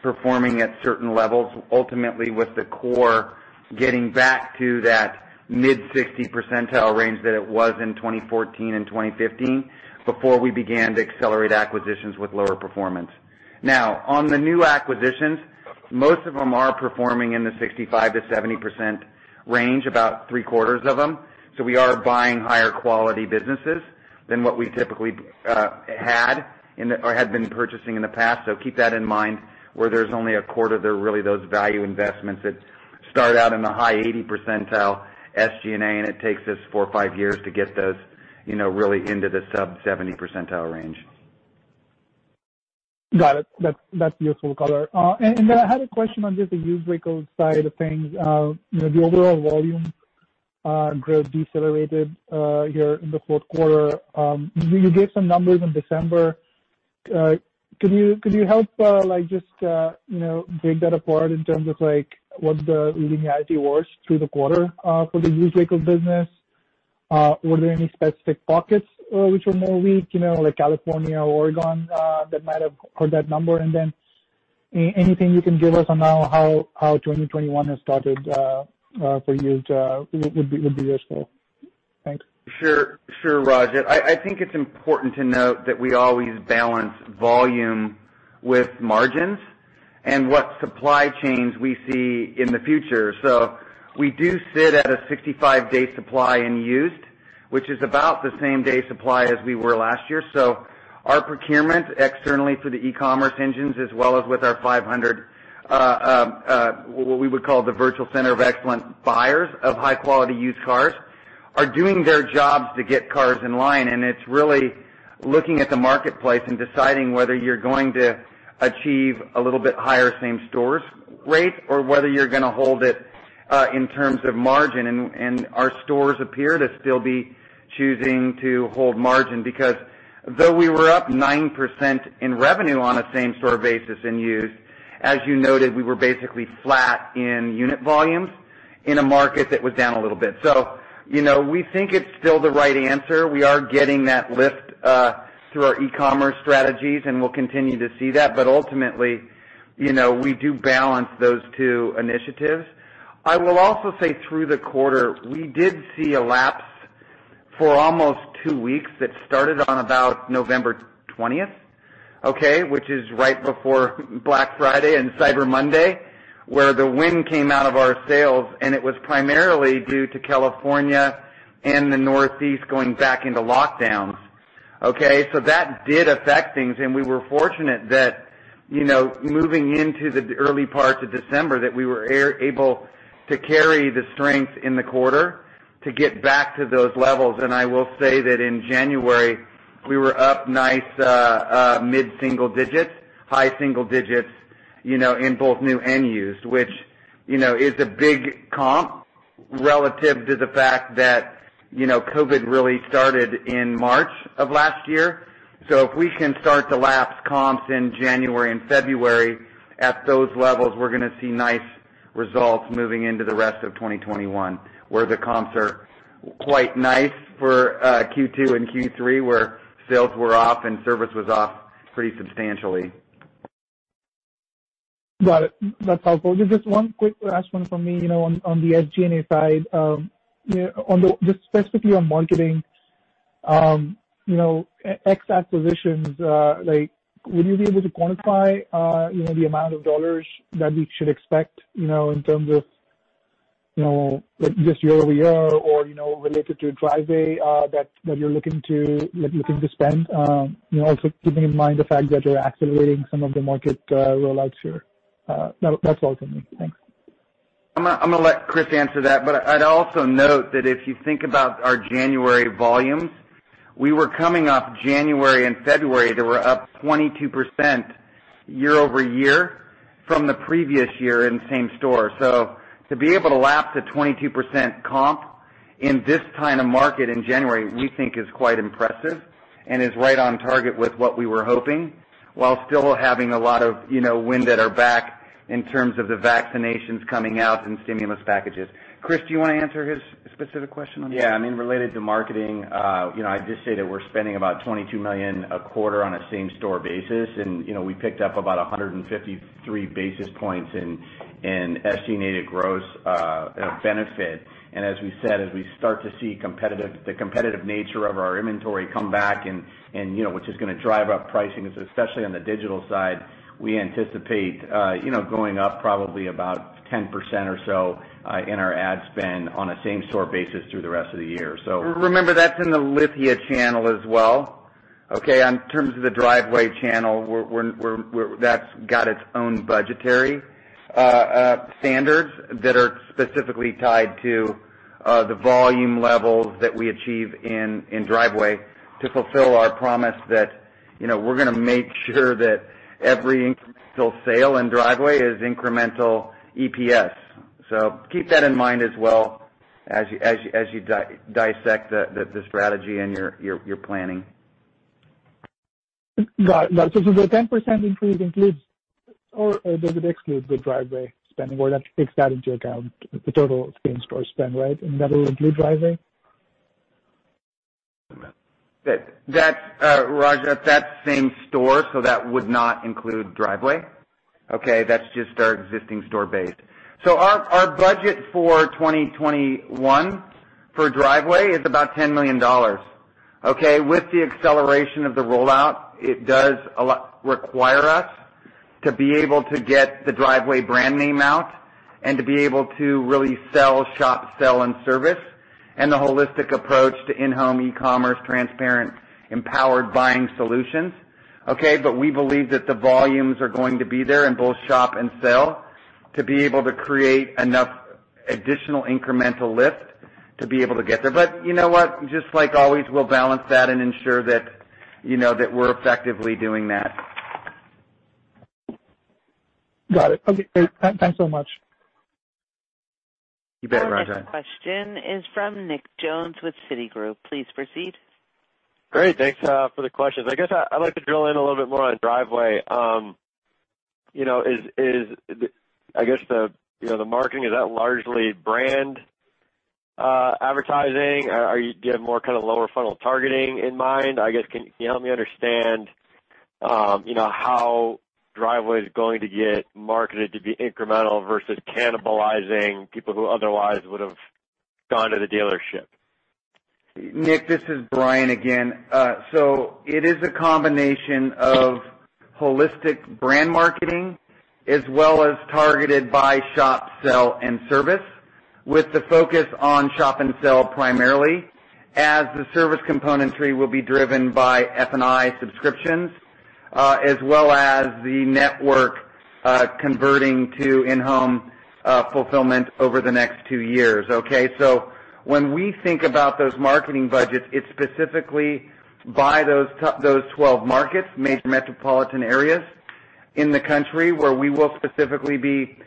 performing at certain levels, ultimately with the core getting back to that mid-60 percentile range that it was in 2014 and 2015 before we began to accelerate acquisitions with lower performance. Now, on the new acquisitions, most of them are performing in the 65%-70% range, about three-quarters of them. So we are buying higher quality businesses than what we typically had or had been purchasing in the past. So keep that in mind where there's only a quarter that are really those value investments that start out in the high 80th percentile SG&A, and it takes us four or five years to get those really into the sub-70th percentile range. Got it. That's useful color. And then I had a question on just the used vehicle side of things. The overall volume growth decelerated here in the fourth quarter. You gave some numbers in December. Could you help just break that apart in terms of what the linearity was through the quarter for the used vehicle business? Were there any specific pockets which were more weak, like California or Oregon, that might have heard that number? And then anything you can give us on how 2021 has started for you would be useful. Thanks. Sure, Rajat. I think it's important to note that we always balance volume with margins and what supply chains we see in the future. So we do sit at a 65-day supply in used, which is about the same-day supply as we were last year. So our procurement externally for the e-commerce engines, as well as with our 500, what we would call the virtual Center of Excellence buyers of high-quality used cars, are doing their jobs to get cars in line. And it's really looking at the marketplace and deciding whether you're going to achieve a little bit higher same-stores rate or whether you're going to hold it in terms of margin. Our stores appear to still be choosing to hold margin because though we were up 9% in revenue on a same-store basis in used, as you noted, we were basically flat in unit volumes in a market that was down a little bit. We think it's still the right answer. We are getting that lift through our e-commerce strategies, and we'll continue to see that. Ultimately, we do balance those two initiatives. I will also say through the quarter, we did see a lapse for almost two weeks that started on about November 20th, okay, which is right before Black Friday and Cyber Monday, where the wind came out of our sales. It was primarily due to California and the Northeast going back into lockdowns. Okay? That did affect things. And we were fortunate that moving into the early parts of December, that we were able to carry the strength in the quarter to get back to those levels. And I will say that in January, we were up nice mid-single digits, high single digits in both new and used, which is a big comp relative to the fact that COVID really started in March of last year. So if we can start to lapse comps in January and February at those levels, we're going to see nice results moving into the rest of 2021, where the comps are quite nice for Q2 and Q3, where sales were off and service was off pretty substantially. Got it. That's helpful. Just one quick last one from me on the SG&A side. Just specifically on marketing, ex-acquisitions, would you be able to quantify the amount of dollars that we should expect in terms of just year-over-year or related to Driveway that you're looking to spend, also keeping in mind the fact that you're accelerating some of the market rollouts here? That's all from me. Thanks. I'm going to let Chris answer that. But I'd also note that if you think about our January volumes, we were coming off January and February that were up 22% year-over-year from the previous year in same-store. So to be able to lapse a 22% comp in this kind of market in January, we think is quite impressive and is right on target with what we were hoping while still having a lot of wind at our back in terms of the vaccinations coming out and stimulus packages. Chris, do you want to answer his specific question on that? Yeah. I mean, related to marketing, I just say that we're spending about $22 million a quarter on a same-store basis. And we picked up about 153 basis points in SG&A to Gross benefit. And as we said, as we start to see the competitive nature of our inventory come back, which is going to drive up pricing, especially on the digital side, we anticipate going up probably about 10% or so in our ad spend on a same-store basis through the rest of the year. So remember, that's in the Lithia channel as well. Okay? In terms of the Driveway channel, that's got its own budgetary standards that are specifically tied to the volume levels that we achieve in Driveway to fulfill our promise that we're going to make sure that every incremental sale in Driveway is incremental EPS. So keep that in mind as well as you dissect the strategy and your planning. Got it. So the 10% increase includes or does it exclude the Driveway spending or that takes that into account, the total same-store spend, right? And that will include Driveway? Rajat, that's same-store, so that would not include Driveway. Okay? That's just our existing-store base. So our budget for 2021 for Driveway is about $10 million. Okay? With the acceleration of the rollout, it does require us to be able to get the Driveway brand name out and to be able to really sell, Shop, Sell, and Service, and the holistic approach to in-home e-commerce, transparent, empowered buying solutions. Okay? But we believe that the volumes are going to be there in both Shop and Sell to be able to create enough additional incremental lift to be able to get there. But you know what? Just like always, we'll balance that and ensure that we're effectively doing that. Got it. Okay. Thanks so much. You bet, Rajat. Last question is from Nick Jones with Citigroup. Please proceed. Great. Thanks for the questions. I guess I'd like to drill in a little bit more on Driveway. I guess the marketing, is that largely brand advertising? Do you have more kind of lower-funnel targeting in mind? I guess can you help me understand how Driveway is going to get marketed to be incremental versus cannibalizing people who otherwise would have gone to the dealership? Nick, this is Bryan again. So it is a combination of holistic brand marketing as well as targeted by Shop, Sell, and Service, with the focus on Shop and Sell primarily, as the service componentry will be driven by F&I subscriptions, as well as the network converting to in-home fulfillment over the next two years. Okay? So when we think about those marketing budgets, it's specifically by those 12 markets, major metropolitan areas in the country where we will specifically be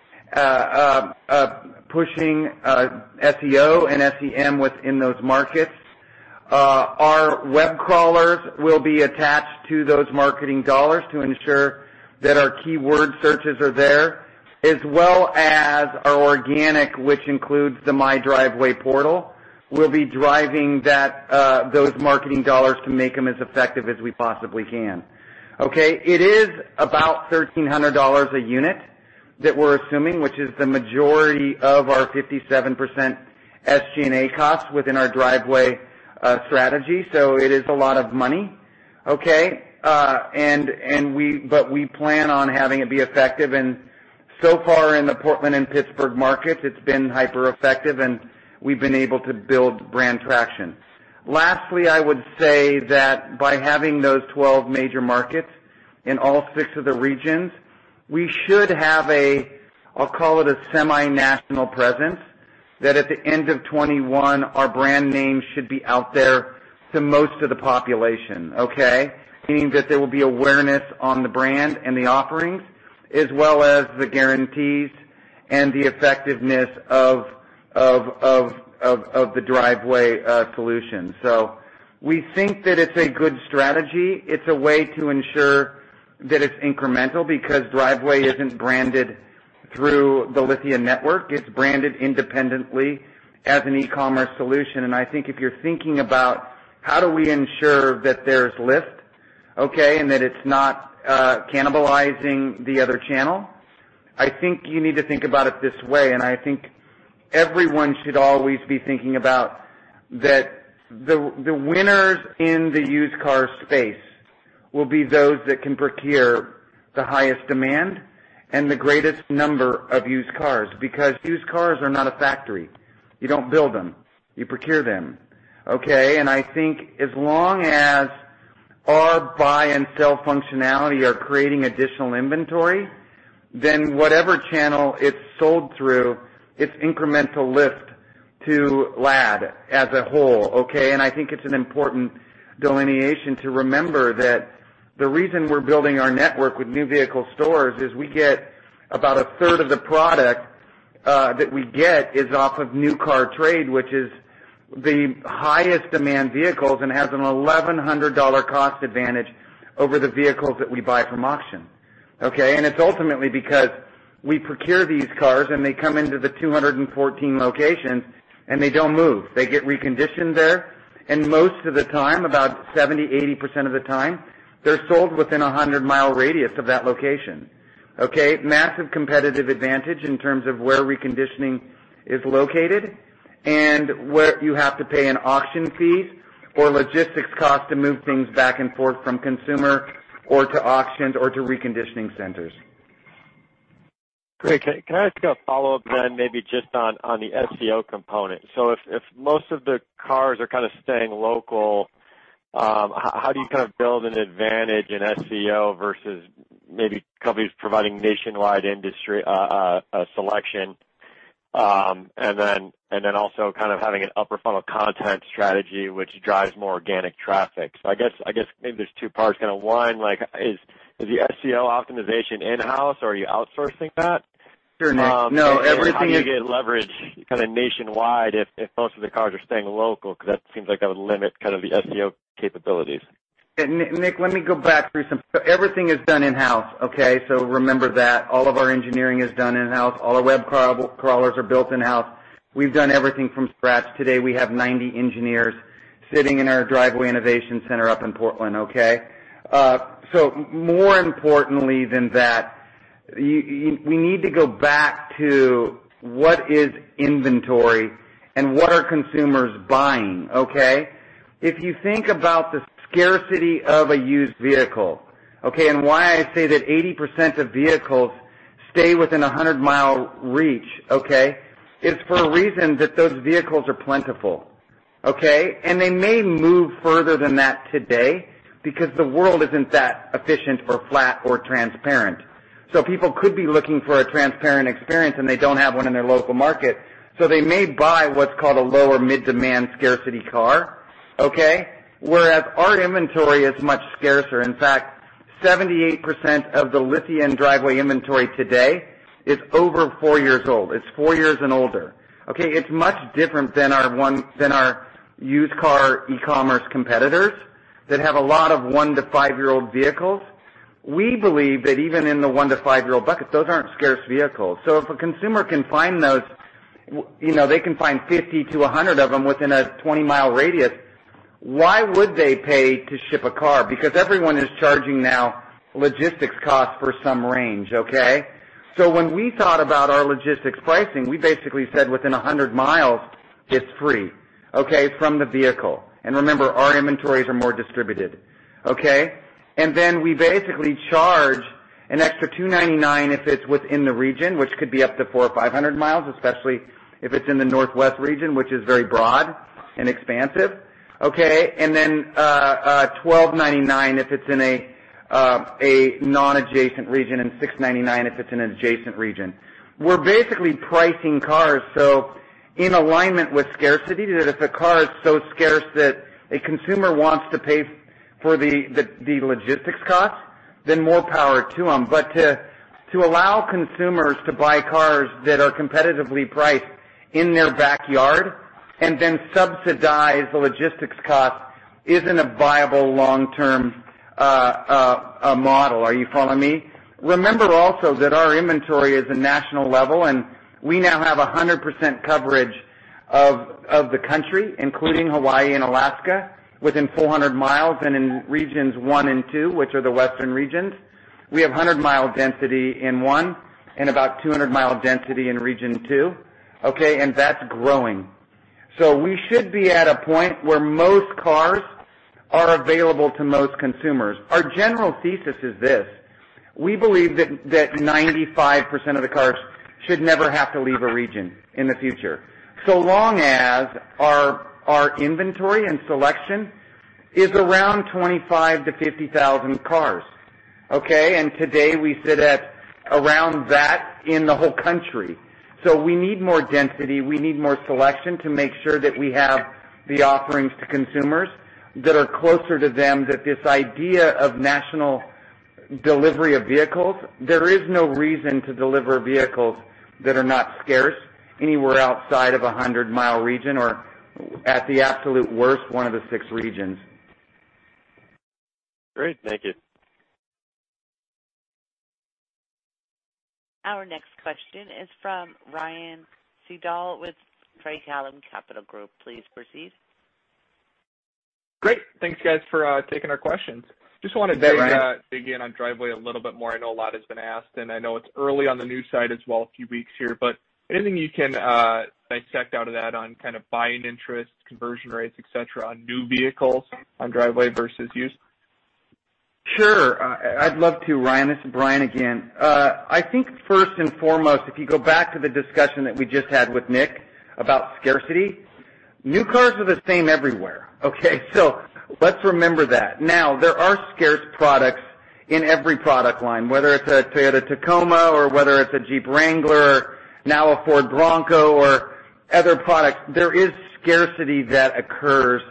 pushing SEO and SEM within those markets. Our web crawlers will be attached to those marketing dollars to ensure that our keyword searches are there, as well as our organic, which includes the My Driveway portal, will be driving those marketing dollars to make them as effective as we possibly can. Okay? It is about $1,300 a unit that we're assuming, which is the majority of our 57% SG&A costs within our Driveway strategy. So it is a lot of money. Okay? But we plan on having it be effective. And so far in the Portland and Pittsburgh markets, it's been hyper-effective, and we've been able to build brand traction. Lastly, I would say that by having those 12 major markets in all six of the regions, we should have a, I'll call it a semi-national presence, that at the end of 2021, our brand name should be out there to most of the population. Okay? Meaning that there will be awareness on the brand and the offerings, as well as the guarantees and the effectiveness of the Driveway solution. So we think that it's a good strategy. It's a way to ensure that it's incremental because Driveway isn't branded through the Lithia network. It's branded independently as an e-commerce solution. And I think if you're thinking about how do we ensure that there's lift, okay, and that it's not cannibalizing the other channel, I think you need to think about it this way. And I think everyone should always be thinking about that the winners in the used car space will be those that can procure the highest demand and the greatest number of used cars because used cars are not a factory. You don't build them. You procure them. Okay? And I think as long as our buy and sell functionality are creating additional inventory, then whatever channel it's sold through, it's incremental lift to LAD as a whole. Okay? And I think it's an important delineation to remember that the reason we're building our network with new vehicle stores is we get about a third of the product that we get is off of new car trade, which is the highest-demand vehicles and has a $1,100 cost advantage over the vehicles that we buy from auction. Okay? And it's ultimately because we procure these cars, and they come into the 214 locations, and they don't move. They get reconditioned there. And most of the time, about 70%-80% of the time, they're sold within a 100-mile radius of that location. Okay? Massive competitive advantage in terms of where reconditioning is located and where you have to pay an auction fee or logistics cost to move things back and forth from consumer or to auctions or to reconditioning centers. Great. Can I ask a follow-up then maybe just on the SEO component? So if most of the cars are kind of staying local, how do you kind of build an advantage in SEO versus maybe companies providing nationwide industry selection and then also kind of having an upper-funnel content strategy, which drives more organic traffic? So I guess maybe there's two parts kind of one. Is the SEO optimization in-house, or are you outsourcing that? Sure, Nick. No, everything is. How do you get leverage kind of nationwide if most of the cars are staying local? Because that seems like that would limit kind of the SEO capabilities. Nick, let me go back through some. So everything is done in-house. Okay? So remember that all of our engineering is done in-house. All our web crawlers are built in-house. We've done everything from scratch. Today, we have 90 engineers sitting in our Driveway Innovation Center up in Portland. Okay? So more importantly than that, we need to go back to what is inventory and what are consumers buying. Okay? If you think about the scarcity of a used vehicle, okay, and why I say that 80% of vehicles stay within a 100-mile reach, okay, it's for a reason that those vehicles are plentiful. Okay? And they may move further than that today because the world isn't that efficient or flat or transparent. So people could be looking for a transparent experience, and they don't have one in their local market. So they may buy what's called a lower-mid-demand scarcity car, okay, whereas our inventory is much scarcer. In fact, 78% of the Lithia & Driveway inventory today is over four years old. It's four years and older. Okay? It's much different than our used car e-commerce competitors that have a lot of one- to five-year-old vehicles. We believe that even in the one- to five-year-old bucket, those aren't scarce vehicles. So if a consumer can find those, they can find 50-100 of them within a 20-mile radius, why would they pay to ship a car? Because everyone is charging now logistics costs for some range. Okay? So when we thought about our logistics pricing, we basically said within 100 miles, it's free, okay, from the vehicle. And remember, our inventories are more distributed. Okay? And then we basically charge an extra $299 if it's within the region, which could be up to 400 or 500 miles, especially if it's in the Northwest Region, which is very broad and expansive. Okay? And then $1299 if it's in a non-adjacent region and $699 if it's in an adjacent region. We're basically pricing cars so in alignment with scarcity that if a car is so scarce that a consumer wants to pay for the logistics cost, then more power to them. But to allow consumers to buy cars that are competitively priced in their backyard and then subsidize the logistics cost isn't a viable long-term model. Are you following me? Remember also that our inventory is a national level, and we now have 100% coverage of the country, including Hawaii and Alaska, within 400 miles and in Regions 1 and 2, which are the western regions. We have 100-mile density in one and about 200-mile density in Region 2. Okay? And that's growing. So we should be at a point where most cars are available to most consumers. Our general thesis is this. We believe that 95% of the cars should never have to leave a region in the future, so long as our inventory and selection is around 25,000-50,000 cars. Okay? And today, we sit at around that in the whole country. So we need more density. We need more selection to make sure that we have the offerings to consumers that are closer to them, that this idea of national delivery of vehicles. There is no reason to deliver vehicles that are not scarce anywhere outside of a 100-mile region or, at the absolute worst, one of the six regions. Great. Thank you. Our next question is from Ryan Sigdahl with Craig-Hallum Capital Group. Please proceed. Great. Thanks, guys, for taking our questions. Just wanted to dig in on Driveway a little bit more. I know a lot has been asked, and I know it's early on the new side as well, a few weeks here. But anything you can dissect out of that on kind of buying interest, conversion rates, etc., on new vehicles on Driveway versus used? Sure. I'd love to. Ryan, this is Bryan again. I think first and foremost, if you go back to the discussion that we just had with Nick about scarcity, new cars are the same everywhere. Okay? So let's remember that. Now, there are scarce products in every product line, whether it's a Toyota Tacoma or whether it's a Jeep Wrangler, now a Ford Bronco or other products. There is scarcity that occurs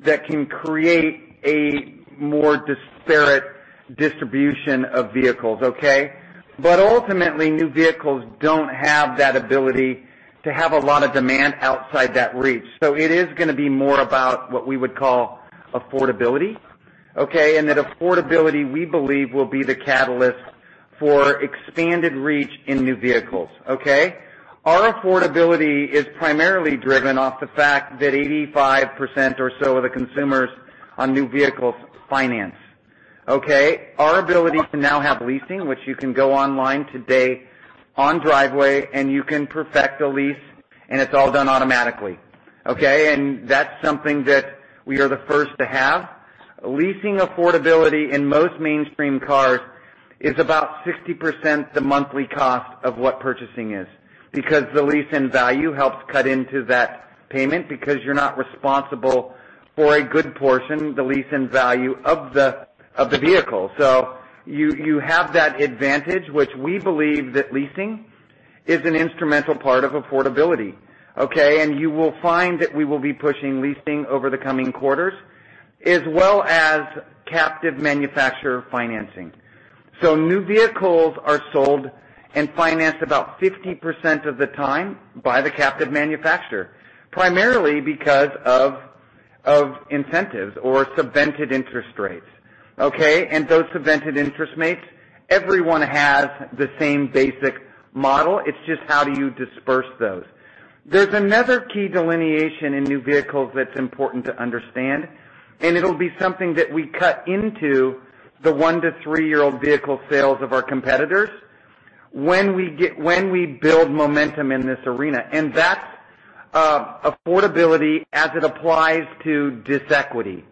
that can create a more disparate distribution of vehicles. Okay? But ultimately, new vehicles don't have that ability to have a lot of demand outside that reach. So it is going to be more about what we would call affordability. Okay? And that affordability, we believe, will be the catalyst for expanded reach in new vehicles. Okay? Our affordability is primarily driven off the fact that 85% or so of the consumers on new vehicles finance. Okay? Our ability to now have leasing, which you can go online today on Driveway, and you can perfect the lease, and it's all done automatically. Okay? And that's something that we are the first to have. Leasing affordability in most mainstream cars is about 60% the monthly cost of what purchasing is, because the residual value helps cut into that payment, because you're not responsible for a good portion, the residual value of the vehicle, so you have that advantage, which we believe that leasing is an instrumental part of affordability. Okay? And you will find that we will be pushing leasing over the coming quarters, as well as captive manufacturer financing, so new vehicles are sold and financed about 50% of the time by the captive manufacturer, primarily because of incentives or subvented interest rates. Okay? And those subvented interest rates, everyone has the same basic model. It's just how do you disperse those? There's another key delineation in new vehicles that's important to understand, and it'll be something that we cut into the one- to three-year-old vehicle sales of our competitors when we build momentum in this arena. And that's affordability as it applies to disequity.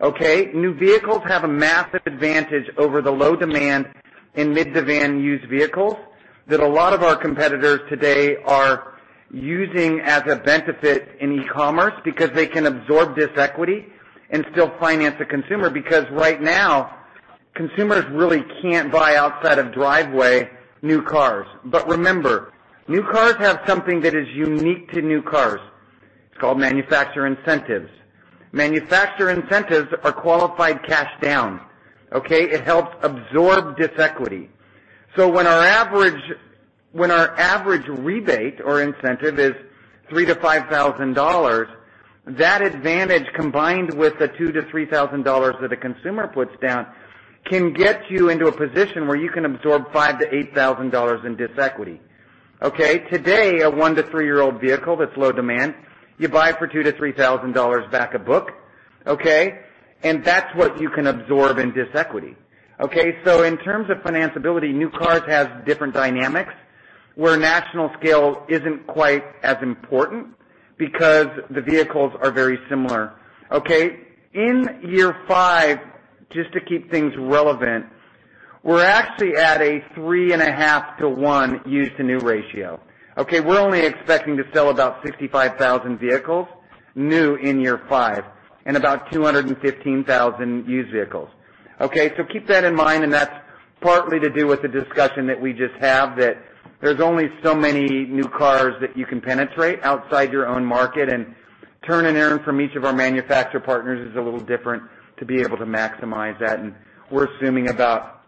Okay? New vehicles have a massive advantage over the low-demand and mid-demand used vehicles that a lot of our competitors today are using as a benefit in e-commerce because they can absorb disequity and still finance a consumer because right now, consumers really can't buy outside of Driveway new cars. But remember, new cars have something that is unique to new cars. It's called manufacturer incentives. Manufacturer incentives are qualified cash down. Okay? It helps absorb disequity. So when our average rebate or incentive is $3,000-$5,000, that advantage combined with the $2,000-$3,000 that a consumer puts down can get you into a position where you can absorb $5,000-$8,000 in disequity. Okay? Today, a one- to three-year-old vehicle that's low-demand, you buy for $2,000-$3,000 back of book. Okay? And that's what you can absorb in disequity. Okay? So in terms of financeability, new cars have different dynamics where national scale isn't quite as important because the vehicles are very similar. Okay? In year five, just to keep things relevant, we're actually at a 3.5 to 1 used-to-new ratio. Okay? We're only expecting to sell about 65,000 vehicles new in year five and about 215,000 used vehicles. Okay? So keep that in mind, and that's partly to do with the discussion that we just have that there's only so many new cars that you can penetrate outside your own market. And turn and earn from each of our manufacturer partners is a little different to be able to maximize that. And we're assuming about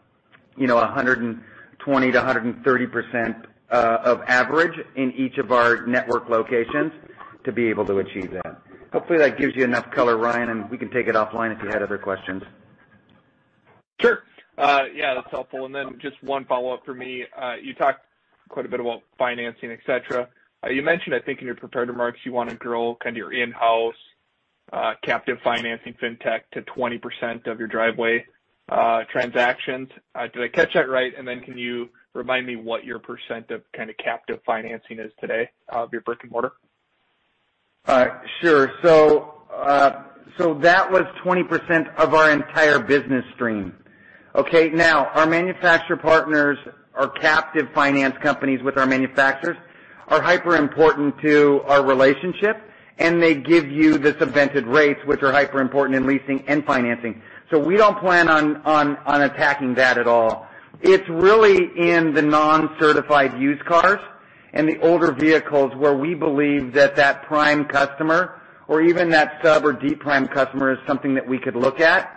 120%-130% of average in each of our network locations to be able to achieve that. Hopefully, that gives you enough color, Ryan, and we can take it offline if you had other questions. Sure. Yeah, that's helpful. And then just one follow-up for me. You talked quite a bit about financing, etc. You mentioned, I think, in your prepared remarks, you want to grow kind of your in-house captive financing fintech to 20% of your Driveway transactions. Did I catch that right? And then can you remind me what your percent of kind of captive financing is today of your brick-and-mortar? Sure. So that was 20% of our entire business stream. Okay? Now, our manufacturer partners, our captive finance companies with our manufacturers, are hyper-important to our relationship, and they give you the subvented rates, which are hyper-important in leasing and financing. So we don't plan on attacking that at all. It's really in the non-Certified used cars and the older vehicles where we believe that that prime customer or even that sub or deep prime customer is something that we could look at,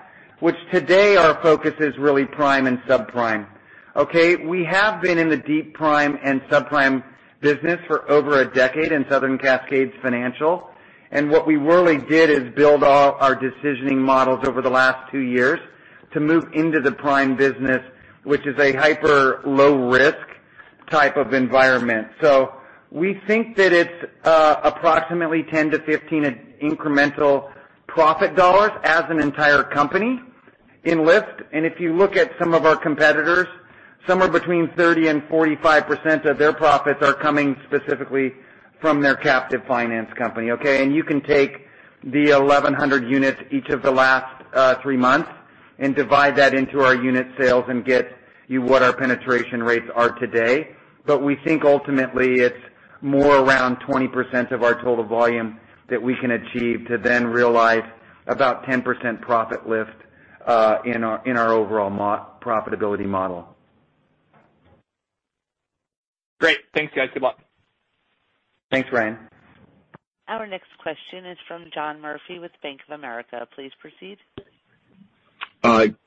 which today, our focus is really prime and subprime. Okay? We have been in the deep prime and subprime business for over a decade in Southern Cascade Finance. And what we really did is build our decisioning models over the last two years to move into the prime business, which is a hyper-low-risk type of environment. So we think that it's approximately 10-15 incremental profit dollars as an entire company in Lithia. And if you look at some of our competitors, somewhere between 30%-45% of their profits are coming specifically from their captive finance company. Okay? And you can take the 1,100 units each of the last three months and divide that into our unit sales and get you what our penetration rates are today. But we think ultimately, it's more around 20% of our total volume that we can achieve to then realize about 10% profit lift in our overall profitability model. Great. Thanks, guys. Good luck. Thanks, Ryan. Our next question is from John Murphy with Bank of America. Please proceed.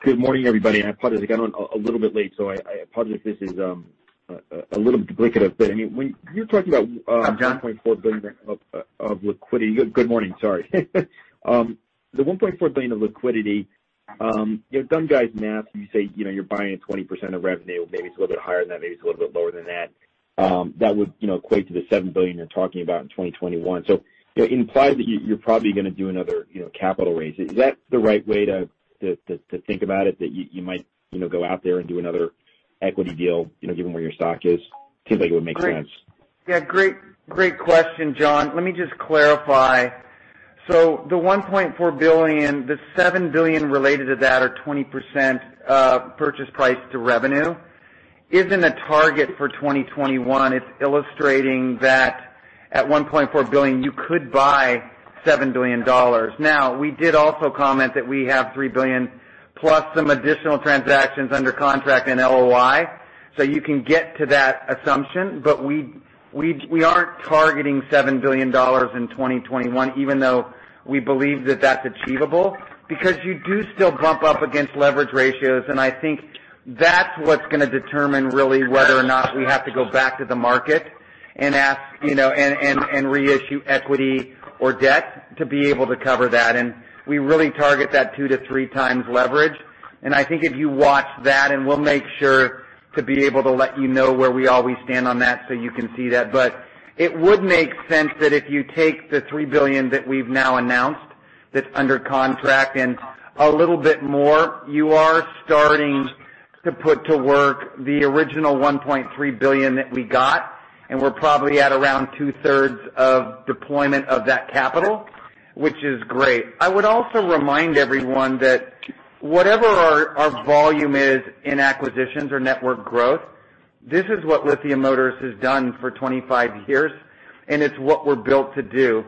Good morning, everybody. I apologize. I got on a little bit late, so I apologize if this is a little bit duplicative. But I mean, when you're talking about $1.4 billion of liquidity. Good morning. Sorry. The $1.4 billion of liquidity, you've done guys' math. You say you're buying at 20% of revenue. Maybe it's a little bit higher than that. Maybe it's a little bit lower than that. That would equate to the $7 billion you're talking about in 2021. So it implies that you're probably going to do another capital raise. Is that the right way to think about it, that you might go out there and do another equity deal given where your stock is? It seems like it would make sense. Yeah. Great question, John. Let me just clarify. So the $1.4 billion, the $7 billion related to that are 20% purchase price to revenue. isn't a target for 2021. It's illustrating that at $1.4 billion, you could buy $7 billion. Now, we did also comment that we have $3 billion plus some additional transactions under contract and LOI. So you can get to that assumption, but we aren't targeting $7 billion in 2021, even though we believe that that's achievable because you do still bump up against leverage ratios. And I think that's what's going to determine really whether or not we have to go back to the market and ask and reissue equity or debt to be able to cover that. And we really target that 2 to 3 times leverage. And I think if you watch that, and we'll make sure to be able to let you know where we always stand on that so you can see that. But it would make sense that if you take the $3 billion that we've now announced that's under contract and a little bit more, you are starting to put to work the original $1.3 billion that we got. And we're probably at around two-thirds of deployment of that capital, which is great. I would also remind everyone that whatever our volume is in acquisitions or network growth, this is what Lithia Motors has done for 25 years, and it's what we're built to do.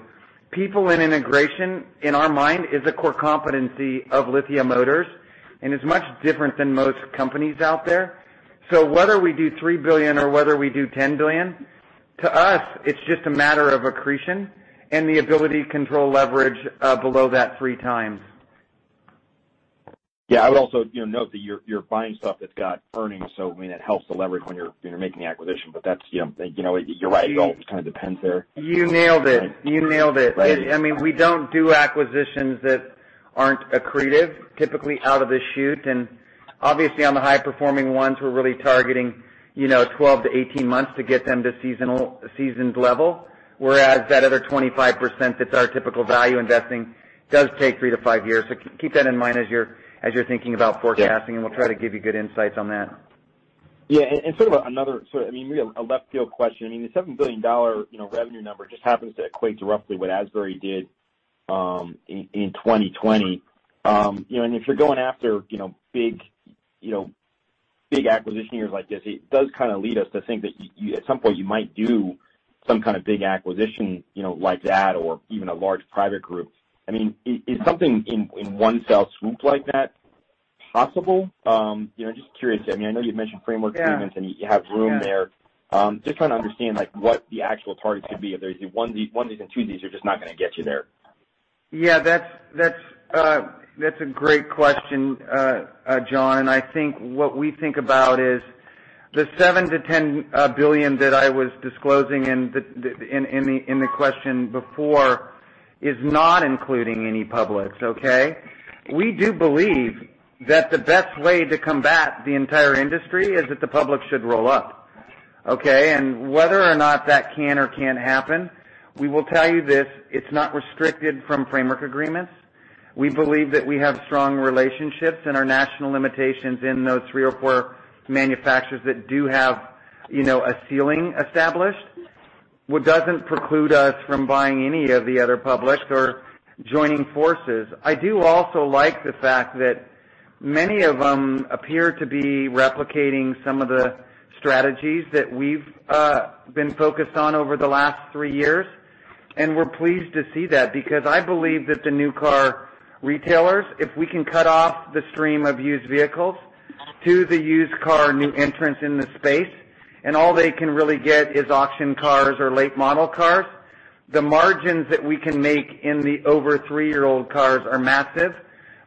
People in integration, in our mind, is a core competency of Lithia Motors, and it's much different than most companies out there. So whether we do $3 billion or whether we do $10 billion, to us, it's just a matter of accretion and the ability to control leverage below that three times. Yeah. I would also note that you're buying stuff that's got earnings. So, I mean, it helps the leverage when you're making the acquisition, but that's - you're right. It all kind of depends there. You nailed it. You nailed it. I mean, we don't do acquisitions that aren't accretive, typically out of the chute, and obviously, on the high-performing ones, we're really targeting 12-18 months to get them to seasoned level, whereas that other 25% that's our typical value investing does take 3-5 years, so keep that in mind as you're thinking about forecasting, and we'll try to give you good insights on that. Yeah, and sort of another sort of - I mean, maybe a left-field question. I mean, the $7 billion revenue number just happens to equate to roughly what Asbury did in 2020. If you're going after big acquisition years like this, it does kind of lead us to think that at some point, you might do some kind of big acquisition like that or even a large private group. I mean, is something in one-fell swoop like that possible? I'm just curious. I mean, I know you've mentioned free cash flow payments, and you have room there. Just trying to understand what the actual targets could be if there's one of these and two of these are just not going to get you there. Yeah. That's a great question, John. I think what we think about is the $7-$10 billion that I was disclosing in the question before is not including any publics. Okay? We do believe that the best way to combat the entire industry is that the public should roll up. Okay? And whether or not that can or can't happen, we will tell you this: it's not restricted from framework agreements. We believe that we have strong relationships and our national limitations in those three or four manufacturers that do have a ceiling established. It doesn't preclude us from buying any of the other public or joining forces. I do also like the fact that many of them appear to be replicating some of the strategies that we've been focused on over the last three years. And we're pleased to see that, because I believe that the new car retailers, if we can cut off the stream of used vehicles to the used car new entrants in the space, and all they can really get is auction cars or late-model cars, the margins that we can make in the over-three-year-old cars are massive.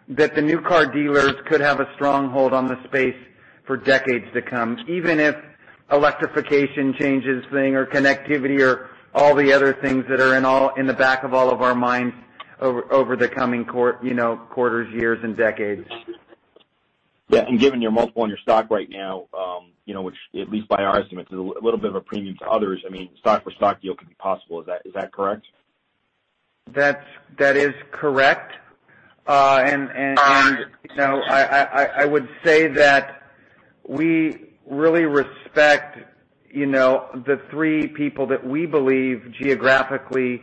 That the new car dealers could have a stronghold on the space for decades to come, even if electrification changes thing or connectivity or all the other things that are in the back of all of our minds over the coming quarters, years, and decades. Yeah. And given your multiple on your stock right now, which at least by our estimates is a little bit of a premium to others, I mean, stock-for-stock deal could be possible. Is that correct? That is correct. And I would say that we really respect the three people that we believe geographically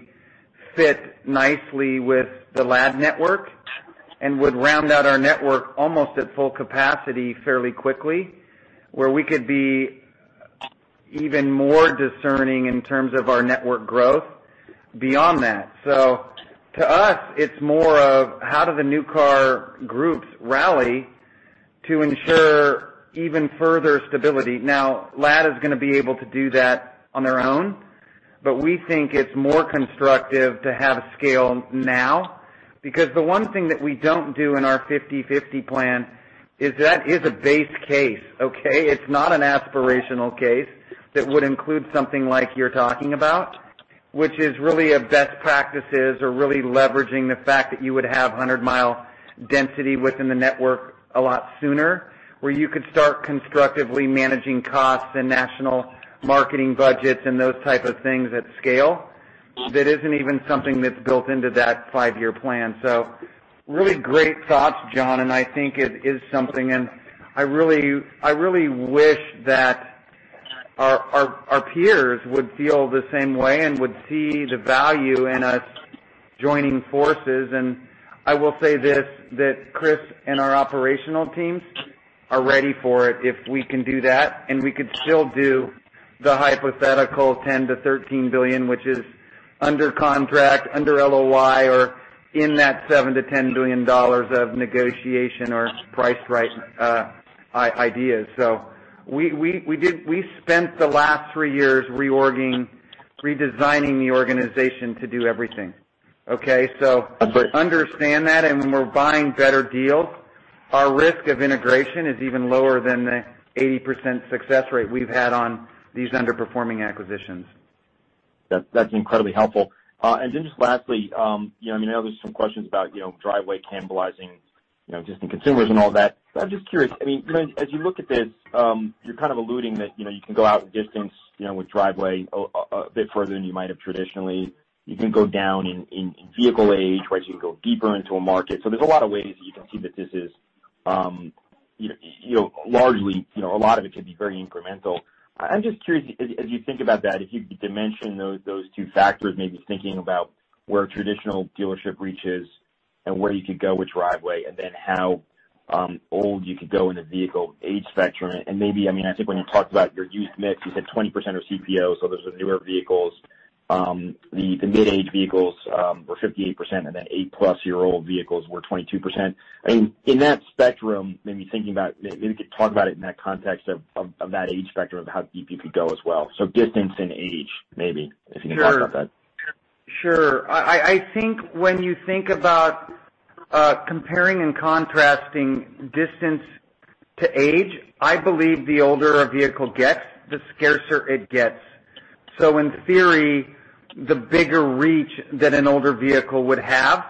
fit nicely with the LAD network and would round out our network almost at full capacity fairly quickly, where we could be even more discerning in terms of our network growth beyond that. So to us, it's more of how the new car groups rally to ensure even further stability. Now, LAD is going to be able to do that on their own, but we think it's more constructive to have scale now because the one thing that we don't do in our 50 & 50 Plan is. That is a base case. Okay? It's not an aspirational case that would include something like you're talking about, which is really a best practices or really leveraging the fact that you would have 100-mile density within the network a lot sooner, where you could start constructively managing costs and national marketing budgets and those types of things at scale. That isn't even something that's built into that five-year plan. So really great thoughts, John, and I think it is something. And I really wish that our peers would feel the same way and would see the value in us joining forces. And I will say this: that Chris and our operational teams are ready for it if we can do that. And we could still do the hypothetical $10-$13 billion, which is under contract, under LOI, or in that $7-$10 billion of negotiation or price-right ideas. So we spent the last three years reorging, redesigning the organization to do everything. Okay? So we understand that. And when we're buying better deals, our risk of integration is even lower than the 80% success rate we've had on these underperforming acquisitions. That's incredibly helpful. And then just lastly, I mean, I know there's some questions about Driveway cannibalizing existing consumers and all that. But I'm just curious. I mean, as you look at this, you're kind of alluding that you can go out in distance with Driveway a bit further than you might have traditionally. You can go down in vehicle age, right? You can go deeper into a market. So there's a lot of ways that you can see that this is largely a lot of it could be very incremental. I'm just curious, as you think about that, if you could dimension those two factors, maybe thinking about where traditional dealership reaches and where you could go with Driveway and then how old you could go in the vehicle age spectrum. And maybe, I mean, I think when you talked about your used mix, you said 20% are CPOs. So those are newer vehicles. The mid-age vehicles were 58%, and then 8-plus-year-old vehicles were 22%. I mean, in that spectrum, maybe thinking about maybe you could talk about it in that context of that age spectrum of how deep you could go as well. So distance and age, maybe, if you can talk about that. Sure. I think when you think about comparing and contrasting distance to age, I believe the older a vehicle gets, the scarcer it gets. So in theory, the bigger reach that an older vehicle would have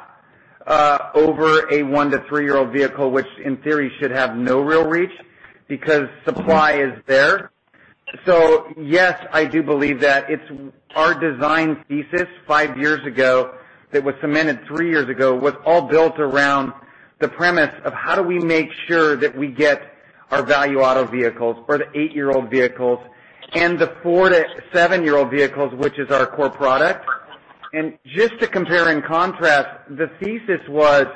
over a one- to three-year-old vehicle, which in theory should have no real reach because supply is there. So yes, I do believe that. It's our design thesis five years ago that was cemented three years ago was all built around the premise of how do we make sure that we get our Value Auto vehicles or the eight-year-old vehicles and the four- to seven-year-old vehicles, which is our core product. And just to compare and contrast, the thesis was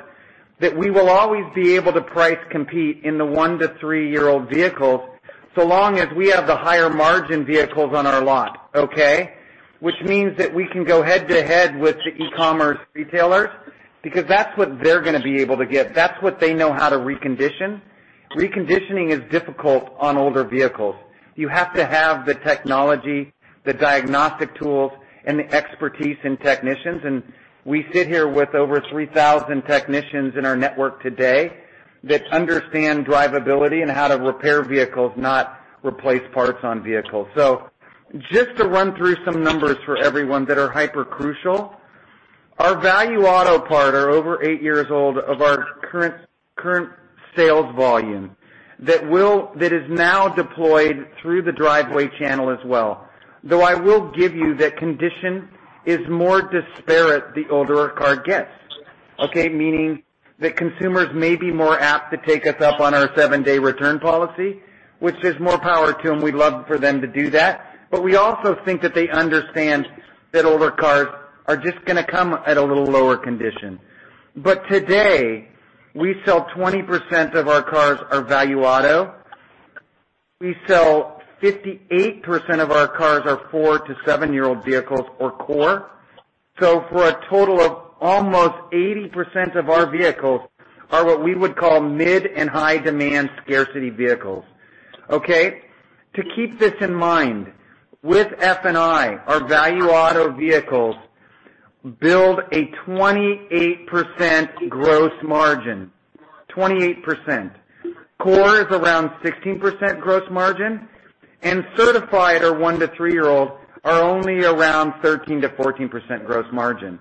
that we will always be able to price compete in the one- to three-year-old vehicles so long as we have the higher margin vehicles on our lot. Okay? Which means that we can go head-to-head with the e-commerce retailers because that's what they're going to be able to get. That's what they know how to recondition. Reconditioning is difficult on older vehicles. You have to have the technology, the diagnostic tools, and the expertise in technicians. And we sit here with over 3,000 technicians in our network today that understand drivability and how to repair vehicles, not replace parts on vehicles. So just to run through some numbers for everyone that are hyper-crucial, our Value Auto parts are over eight years old of our current sales volume that is now deployed through the Driveway channel as well. Though I will give you that condition is more disparate the older car gets. Okay? Meaning that consumers may be more apt to take us up on our seven-day return policy, which is more power to them. We'd love for them to do that. But we also think that they understand that older cars are just going to come at a little lower condition. But today, we sell 20% of our cars are Value Auto. We sell 58% of our cars are four- to seven-year-old vehicles or core. So for a total of almost 80% of our vehicles are what we would call mid and high-demand scarcity vehicles. Okay? To keep this in mind, with F&I, our Value Auto vehicles build a 28% gross margin. 28%. Core is around 16% gross margin. And Certified or one- to three-year-old are only around 13%-14% gross margin.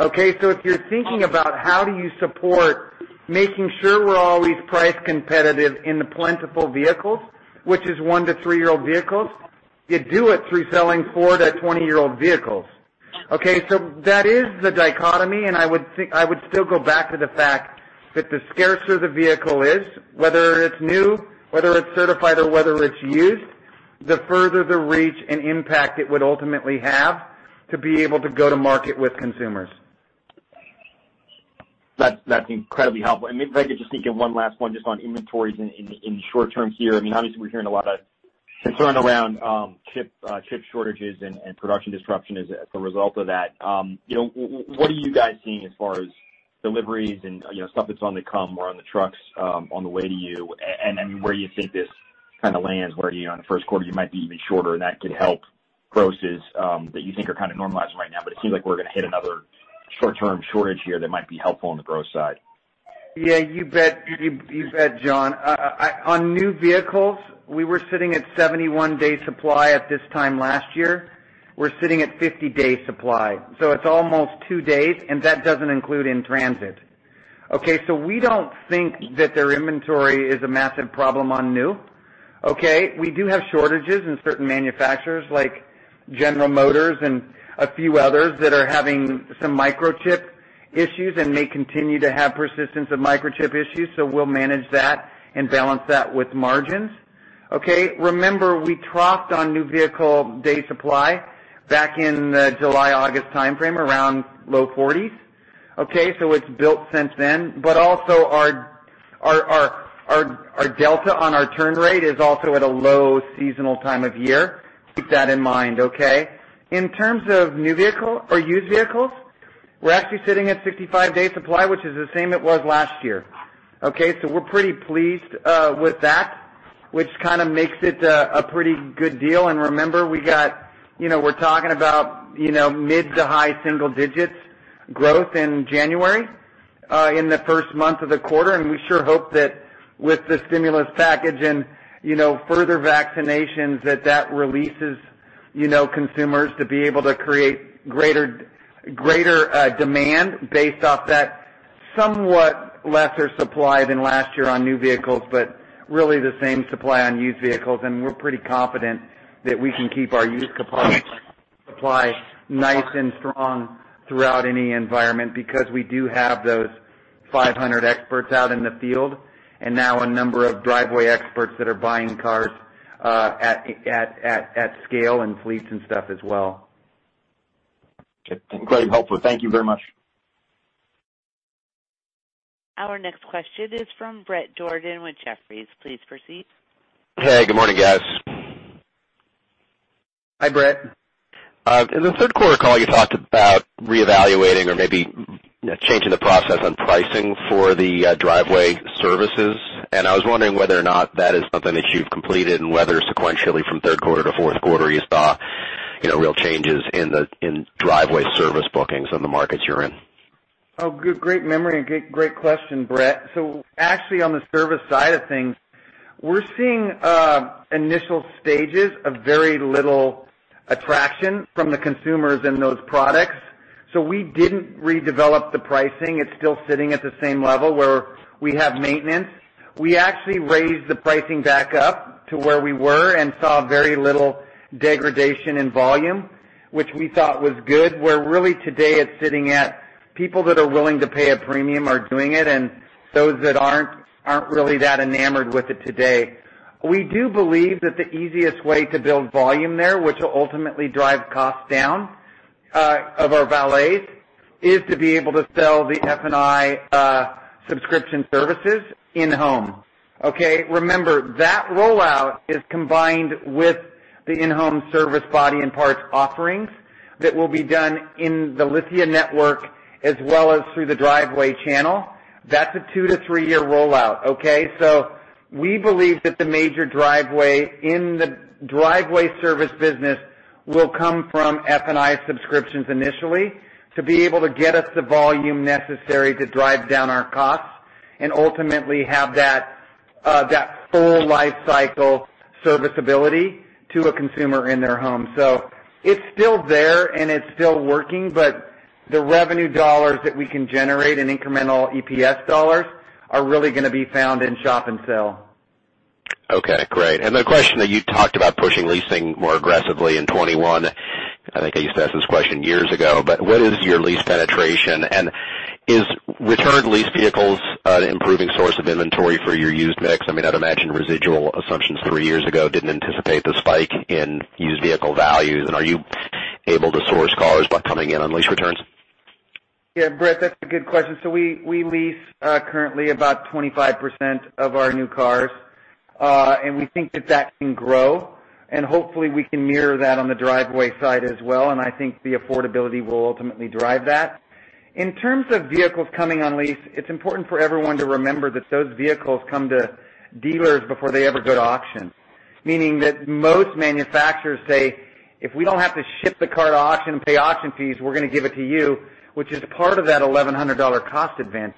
Okay? So if you're thinking about how do you support making sure we're always price competitive in the plentiful vehicles, which is one- to three-year-old vehicles, you do it through selling four- to twenty-year-old vehicles. Okay? So that is the dichotomy. I would still go back to the fact that the scarcer the vehicle is, whether it's new, whether it's Certified, or whether it's used, the further the reach and impact it would ultimately have to be able to go to market with consumers. That's incredibly helpful. Maybe if I could just think of one last one just on inventories in the short term here. I mean, obviously, we're hearing a lot of concern around chip shortages and production disruption as a result of that. What are you guys seeing as far as deliveries and stuff that's on the come or on the trucks on the way to you? I mean, where do you think this kind of lands? Where on the first quarter, you might be even shorter, and that could help grosses that you think are kind of normalizing right now. But it seems like we're going to hit another short-term shortage here that might be helpful on the gross side. Yeah. You bet, John. On new vehicles, we were sitting at 71-day supply at this time last year. We're sitting at 50-day supply. So it's almost two days, and that doesn't include in transit. Okay? So we don't think that their inventory is a massive problem on new. Okay? We do have shortages in certain manufacturers like General Motors and a few others that are having some microchip issues and may continue to have persistence of microchip issues. So we'll manage that and balance that with margins. Okay? Remember, we troughed on new vehicle day supply back in the July/August timeframe around low 40s. Okay? So it's built since then. But also, our delta on our turn rate is also at a low seasonal time of year. Keep that in mind. Okay? In terms of new vehicle or used vehicles, we're actually sitting at 65-day supply, which is the same it was last year. Okay? So we're pretty pleased with that, which kind of makes it a pretty good deal. And remember, we're talking about mid- to high single-digit growth in January in the first month of the quarter. And we sure hope that with the stimulus package and further vaccinations, that releases consumers to be able to create greater demand based off that somewhat lesser supply than last year on new vehicles, but really the same supply on used vehicles. And we're pretty confident that we can keep our used supply nice and strong throughout any environment because we do have those 500 experts out in the field and now a number of Driveway experts that are buying cars at scale and fleets and stuff as well. Great. Helpful. Thank you very much. Our next question is from Brett Jordan with Jefferies. Please proceed. Hey. Good morning, guys. Hi, Brett. In the third quarter call, you talked about reevaluating or maybe changing the process on pricing for the Driveway services. And I was wondering whether or not that is something that you've completed and whether sequentially from third quarter to fourth quarter, you saw real changes in Driveway service bookings in the markets you're in. Oh, great memory and great question, Brett. So actually, on the service side of things, we're seeing initial stages of very little attraction from the consumers in those products. So we didn't redevelop the pricing. It's still sitting at the same level where we have maintenance. We actually raised the pricing back up to where we were and saw very little degradation in volume, which we thought was good. Where really today, it's sitting at people that are willing to pay a premium are doing it and those that aren't really that enamored with it today. We do believe that the easiest way to build volume there, which will ultimately drive costs down of our valets, is to be able to sell the F&I subscription services in-home. Okay? Remember, that rollout is combined with the in-home Service, Body, and Parts offerings that will be done in the Lithia network as well as through the Driveway channel. That's a two-to-three-year rollout. Okay? So we believe that the major Driveway service business will come from F&I subscriptions initially to be able to get us the volume necessary to drive down our costs and ultimately have that full lifecycle serviceability to a consumer in their home. So it's still there and it's still working, but the revenue dollars that we can generate and incremental EPS dollars are really going to be found in shop and sale. Okay. Great. And the question that you talked about pushing leasing more aggressively in 2021, I think I used to ask this question years ago, but what is your lease penetration? And is returned lease vehicles an improving source of inventory for your used mix? I mean, I'd imagine residual assumptions three years ago didn't anticipate the spike in used vehicle values. And are you able to source cars by coming in on lease returns? Yeah. Brett, that's a good question. So we lease currently about 25% of our new cars. And we think that that can grow. And hopefully, we can mirror that on the Driveway side as well. And I think the affordability will ultimately drive that. In terms of vehicles coming on lease, it's important for everyone to remember that those vehicles come to dealers before they ever go to auction. Meaning that most manufacturers say, "If we don't have to ship the car to auction and pay auction fees, we're going to give it to you," which is part of that $1,100 cost advantage.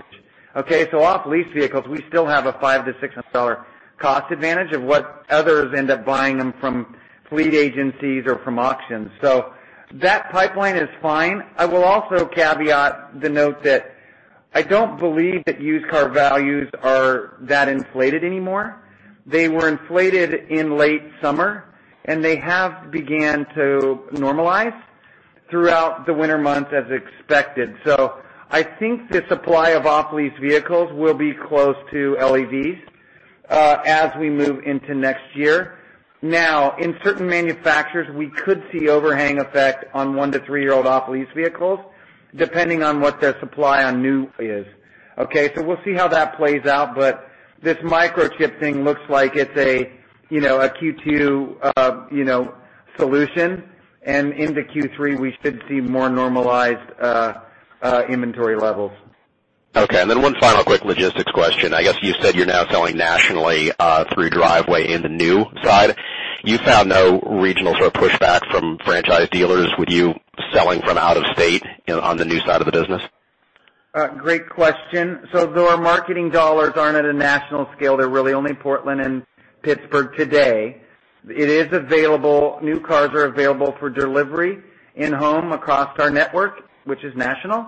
Okay? So off-lease vehicles, we still have a $500-$600 cost advantage of what others end up buying them from fleet agencies or from auctions. So that pipeline is fine. I will also caveat the note that I don't believe that used car values are that inflated anymore. They were inflated in late summer, and they have began to normalize throughout the winter months as expected. So I think the supply of off-lease vehicles will be close to LEDs as we move into next year. Now, in certain manufacturers, we could see overhang effect on one- to three-year-old off-lease vehicles depending on what their supply on new is. Okay? So we'll see how that plays out. But this microchip thing looks like it's a Q2 solution. And into Q3, we should see more normalized inventory levels. Okay. And then one final quick logistics question. I guess you said you're now selling nationally through Driveway in the new side. You found no regional sort of pushback from franchise dealers with you selling from out of state on the new side of the business? Great question. So though our marketing dollars aren't at a national scale, they're really only Portland and Pittsburgh today. New cars are available for delivery in-home across our network, which is national,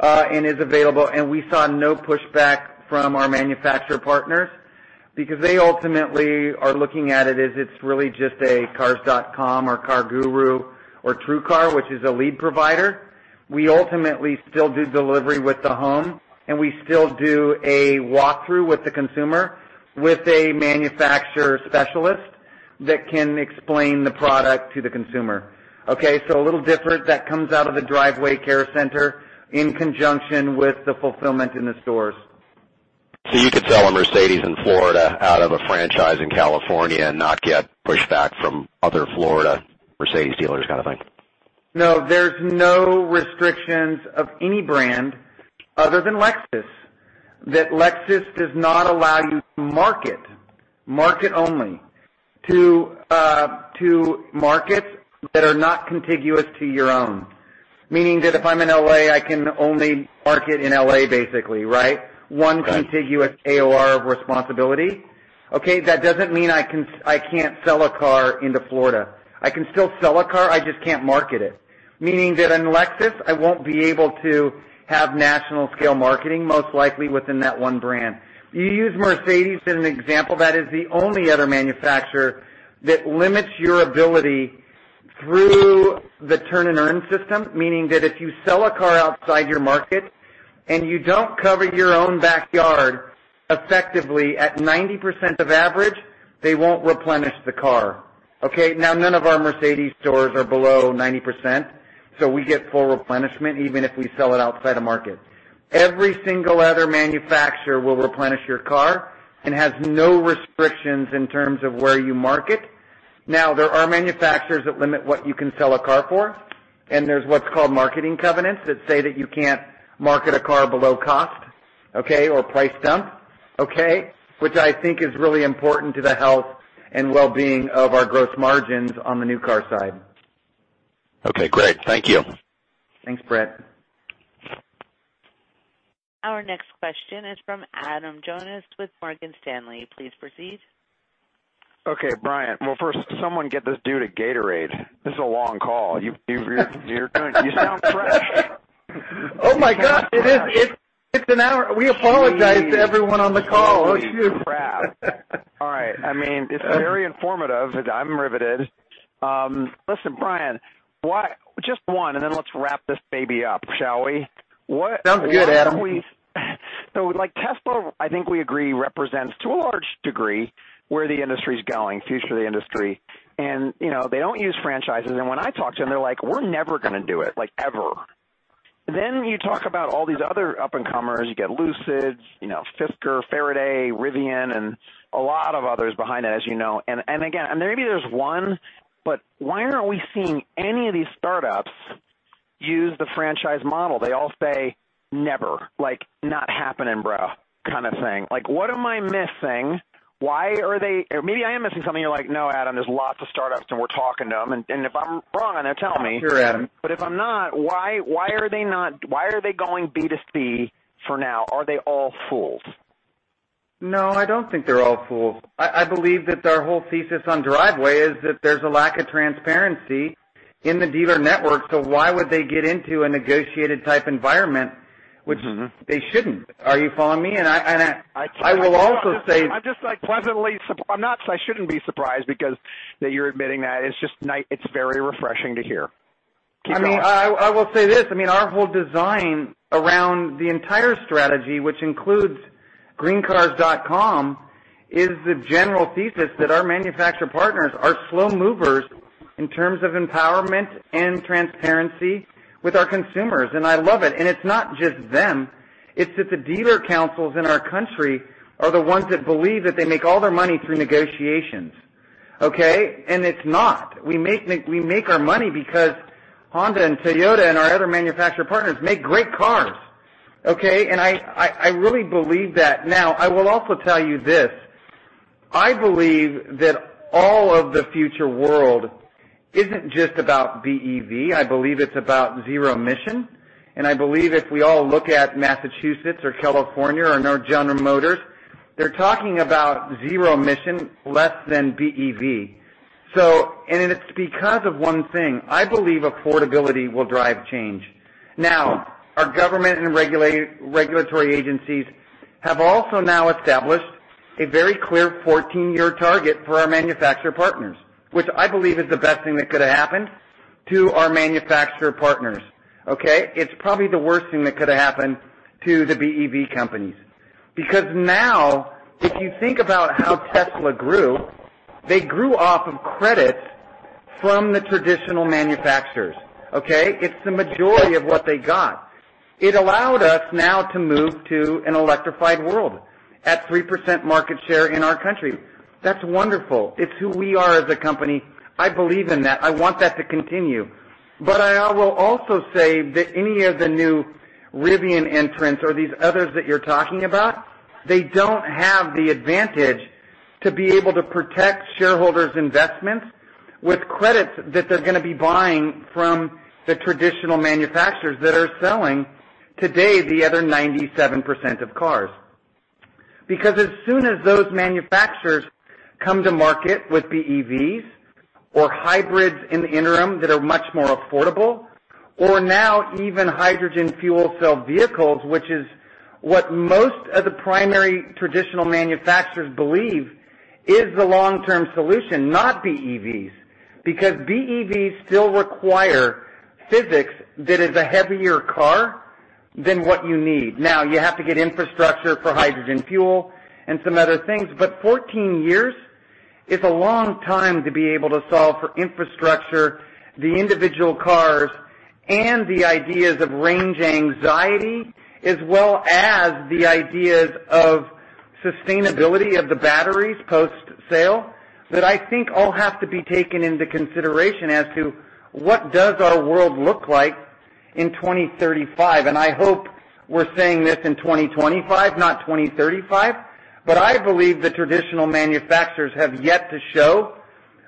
and is available. And we saw no pushback from our manufacturer partners because they ultimately are looking at it as it's really just a Cars.com or CarGurus or TrueCar, which is a lead provider. We ultimately still do delivery with the home, and we still do a walkthrough with the consumer with a manufacturer specialist that can explain the product to the consumer. Okay? So a little different that comes out of the Driveway Care Center in conjunction with the fulfillment in the stores. So you could sell a Mercedes in Florida out of a franchise in California and not get pushback from other Florida Mercedes dealers kind of thing? No. There's no restrictions of any brand other than Lexus. That Lexus does not allow you to market only to markets that are not contiguous to your own. Meaning that if I'm in LA, I can only market in LA basically. Right? One contiguous AOR of responsibility. Okay? That doesn't mean I can't sell a car into Florida. I can still sell a car. I just can't market it. Meaning that in Lexus, I won't be able to have national scale marketing most likely within that one brand. You use Mercedes as an example. That is the only other manufacturer that limits your ability through the turn and earn system. Meaning that if you sell a car outside your market and you don't cover your own backyard effectively at 90% of average, they won't replenish the car. Okay? Now, none of our Mercedes stores are below 90%, so we get full replenishment even if we sell it outside of market. Every single other manufacturer will replenish your car and has no restrictions in terms of where you market. Now, there are manufacturers that limit what you can sell a car for, and there's what's called marketing covenants that say that you can't market a car below cost. Okay? Or price dump. Okay? Which I think is really important to the health and well-being of our gross margins on the new car side. Okay. Great. Thank you. Thanks, Brett. Our next question is from Adam Jonas with Morgan Stanley. Please proceed. Okay. Bryan, will someone get this dude at Gatorade? This is a long call. You sound fresh. Oh my God. It's an hour. We apologize to everyone on the call. Oh, shoot. Crap. All right. I mean, it's very informative. I'm riveted. Listen, Bryan, just one, and then let's wrap this baby up, shall we? Sounds good, Adam. So Tesla, I think we agree, represents to a large degree where the industry's going, future of the industry. And they don't use franchises. And when I talk to them, they're like, "We're never going to do it. Ever." Then you talk about all these other up-and-comers. You get Lucid, Fisker, Faraday, Rivian, and a lot of others behind it, as you know. And again, maybe there's one, but why aren't we seeing any of these startups use the franchise model? They all say never. Not happening, bruh, kind of thing. What am I missing? Maybe I am missing something. You're like, "No, Adam. There's lots of startups, and we're talking to them." And if I'm wrong, he'll tell me. Sure, Adam. But if I'm not, why are they not? Why are they going B to C for now? Are they all fools? No, I don't think they're all fools. I believe that their whole thesis on Driveway is that there's a lack of transparency in the dealer network. So why would they get into a negotiated-type environment, which they shouldn't? Are you following me? And I will also say. I'm just pleasantly surprised. I'm not saying I shouldn't be surprised because you're admitting that. It's very refreshing to hear. Keep going. I mean, I will say this. I mean, our whole design around the entire strategy, which includes GreenCars.com, is the general thesis that our manufacturer partners are slow movers in terms of empowerment and transparency with our consumers. And I love it. And it's not just them. It's that the dealer councils in our country are the ones that believe that they make all their money through negotiations. Okay? And it's not. We make our money because Honda and Toyota and our other manufacturer partners make great cars. Okay? And I really believe that. Now, I will also tell you this. I believe that all of the future world isn't just about BEV. I believe it's about zero emission. And I believe if we all look at Massachusetts or California or General Motors, they're talking about zero emission less than BEV. And it's because of one thing. I believe affordability will drive change. Now, our government and regulatory agencies have also now established a very clear 14-year target for our manufacturer partners, which I believe is the best thing that could have happened to our manufacturer partners. Okay? It's probably the worst thing that could have happened to the BEV companies. Because now, if you think about how Tesla grew, they grew off of credits from the traditional manufacturers. Okay? It's the majority of what they got. It allowed us now to move to an electrified world at 3% market share in our country. That's wonderful. It's who we are as a company. I believe in that. I want that to continue. But I will also say that any of the new Rivian entrants or these others that you're talking about, they don't have the advantage to be able to protect shareholders' investments with credits that they're going to be buying from the traditional manufacturers that are selling today the other 97% of cars. Because as soon as those manufacturers come to market with BEVs or hybrids in the interim that are much more affordable, or now even hydrogen fuel cell vehicles, which is what most of the primary traditional manufacturers believe is the long-term solution, not BEVs. Because BEVs still require physics that is a heavier car than what you need. Now, you have to get infrastructure for hydrogen fuel and some other things. But 14 years is a long time to be able to solve for infrastructure, the individual cars, and the ideas of range anxiety, as well as the ideas of sustainability of the batteries post-sale that I think all have to be taken into consideration as to what does our world look like in 2035. And I hope we're saying this in 2025, not 2035. But I believe the traditional manufacturers have yet to show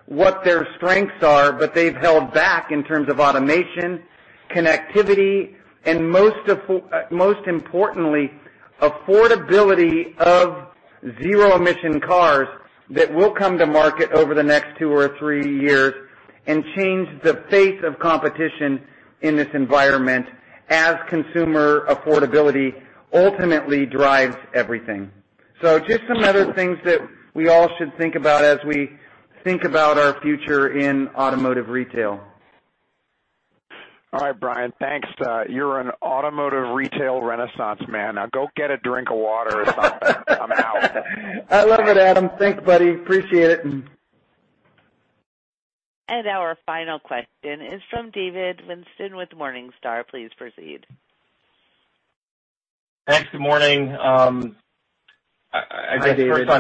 what their strengths are, but they've held back in terms of automation, connectivity, and most importantly, affordability of zero-emission cars that will come to market over the next two or three years and change the face of competition in this environment as consumer affordability ultimately drives everything. So just some other things that we all should think about as we think about our future in automotive retail. All right, Bryan. Thanks. You're an automotive retail renaissance man. Now, go get a drink of water or something. I'm out. I love it, Adam. Thanks, buddy. Appreciate it. Our final question is from David Whiston with Morningstar. Please proceed. Thanks. Good morning. First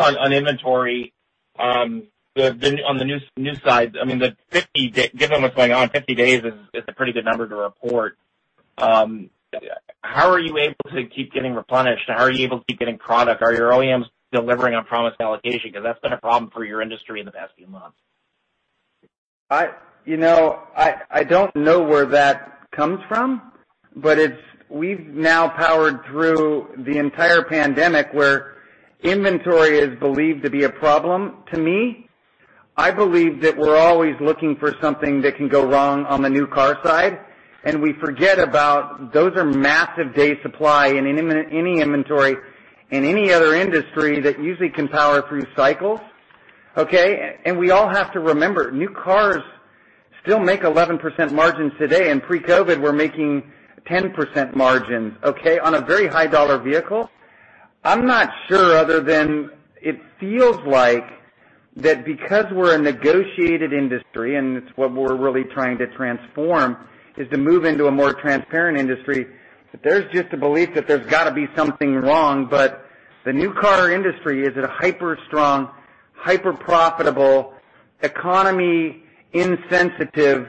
on inventory. On the new side, I mean, given what's going on, 50 days is a pretty good number to report. How are you able to keep getting replenished? How are you able to keep getting product? Are your OEMs delivering on promised allocation? Because that's been a problem for your industry in the past few months. I don't know where that comes from, but we've now powered through the entire pandemic where inventory is believed to be a problem to me. I believe that we're always looking for something that can go wrong on the new car side, and we forget that those are massive days' supply in any inventory in any other industry that usually can power through cycles. Okay? And we all have to remember, new cars still make 11% margins today. And pre-COVID, we're making 10% margins. Okay? On a very high-dollar vehicle, I'm not sure other than it feels like that because we're a negotiated industry, and it's what we're really trying to transform, is to move into a more transparent industry. There's just a belief that there's got to be something wrong. But the new car industry is a hyper-strong, hyper-profitable, economy-insensitive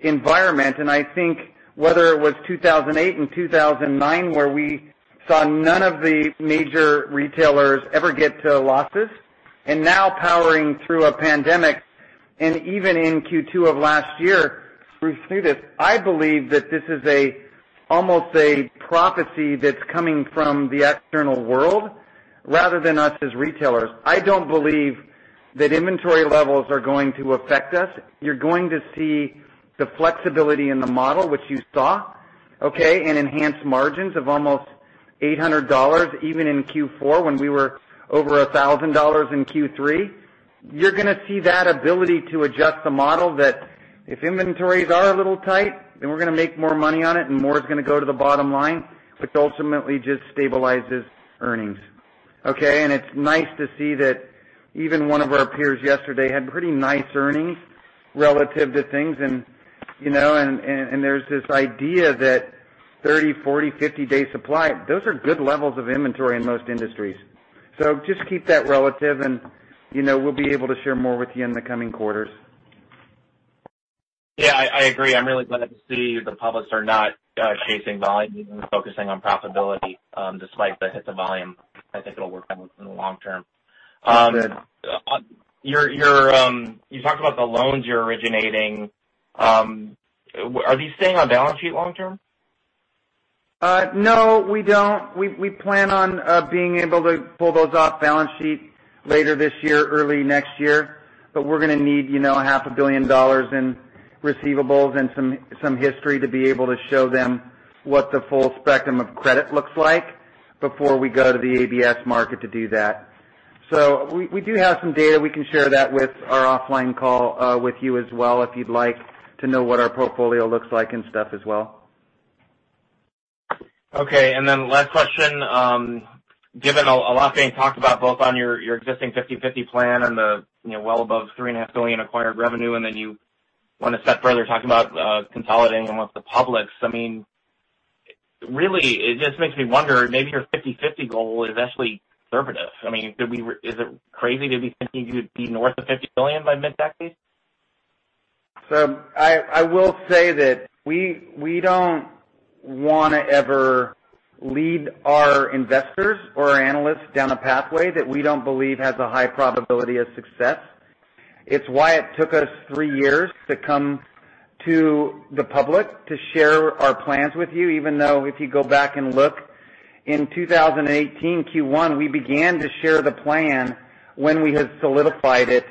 environment. I think whether it was 2008 and 2009 where we saw none of the major retailers ever get to losses, and now powering through a pandemic, and even in Q2 of last year through this, I believe that this is almost a prophecy that's coming from the external world rather than us as retailers. I don't believe that inventory levels are going to affect us. You're going to see the flexibility in the model, which you saw. Okay? And enhanced margins of almost $800 even in Q4 when we were over $1,000 in Q3. You're going to see that ability to adjust the model that if inventories are a little tight, then we're going to make more money on it, and more is going to go to the bottom line, which ultimately just stabilizes earnings. Okay? It's nice to see that even one of our peers yesterday had pretty nice earnings relative to things. There's this idea that 30, 40, 50-day supply, those are good levels of inventory in most industries. Just keep that relative, and we'll be able to share more with you in the coming quarters. Yeah. I agree. I'm really glad to see the publishers are not chasing volume and focusing on profitability despite the hit to volume. I think it'll work out in the long term. You talked about the loans you're originating. Are these staying on balance sheet long-term? No, we don't. We plan on being able to pull those off balance sheet later this year, early next year. But we're going to need $500 million in receivables and some history to be able to show them what the full spectrum of credit looks like before we go to the ABS market to do that. So we do have some data. We can share that with our offline call with you as well if you'd like to know what our portfolio looks like and stuff as well. Okay. And then last question. Given a lot being talked about both on your existing 50 & 50 Plan and the well above $3.5 billion acquired revenue, and then you want to step further talking about consolidating amongst the publics, I mean, really, it just makes me wonder. Maybe your 50/50 goal is actually conservative. I mean, is it crazy to be thinking you'd be north of $50 billion by mid-decade? So I will say that we don't want to ever lead our investors or analysts down a pathway that we don't believe has a high probability of success. It's why it took us three years to come to the public to share our plans with you, even though if you go back and look, in 2018, Q1, we began to share the plan when we had solidified it.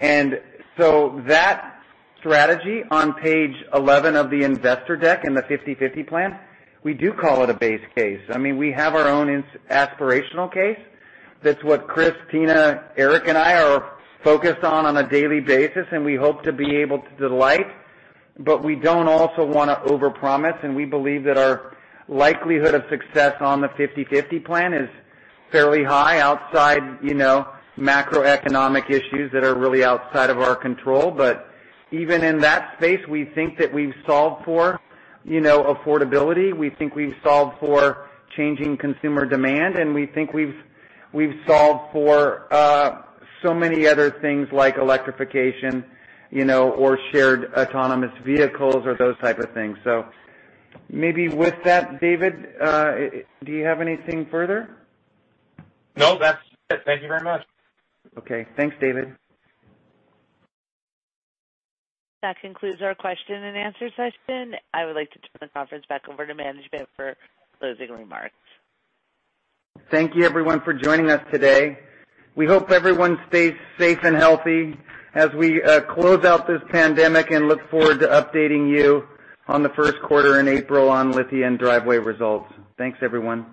And so that strategy on page 11 of the investor deck in the 50 & 50 Plan, we do call it a base case. I mean, we have our own aspirational case. That's what Chris, Tina, Eric, and I are focused on a daily basis, and we hope to be able to delight. But we don't also want to overpromise. We believe that our likelihood of success on the 50 & 50 Plan is fairly high outside macroeconomic issues that are really outside of our control. But even in that space, we think that we've solved for affordability. We think we've solved for changing consumer demand, and we think we've solved for so many other things like electrification or shared autonomous vehicles or those types of things. So maybe with that, David, do you have anything further? No, that's it. Thank you very much. Okay. Thanks, David. That concludes our question and answer session. I would like to turn the conference back over to management for closing remarks. Thank you, everyone, for joining us today. We hope everyone stays safe and healthy as we close out this pandemic and look forward to updating you on the first quarter in April on Lithia & Driveway results. Thanks, everyone.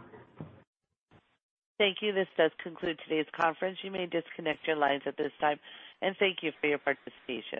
Thank you. This does conclude today's conference. You may disconnect your lines at this time and thank you for your participation.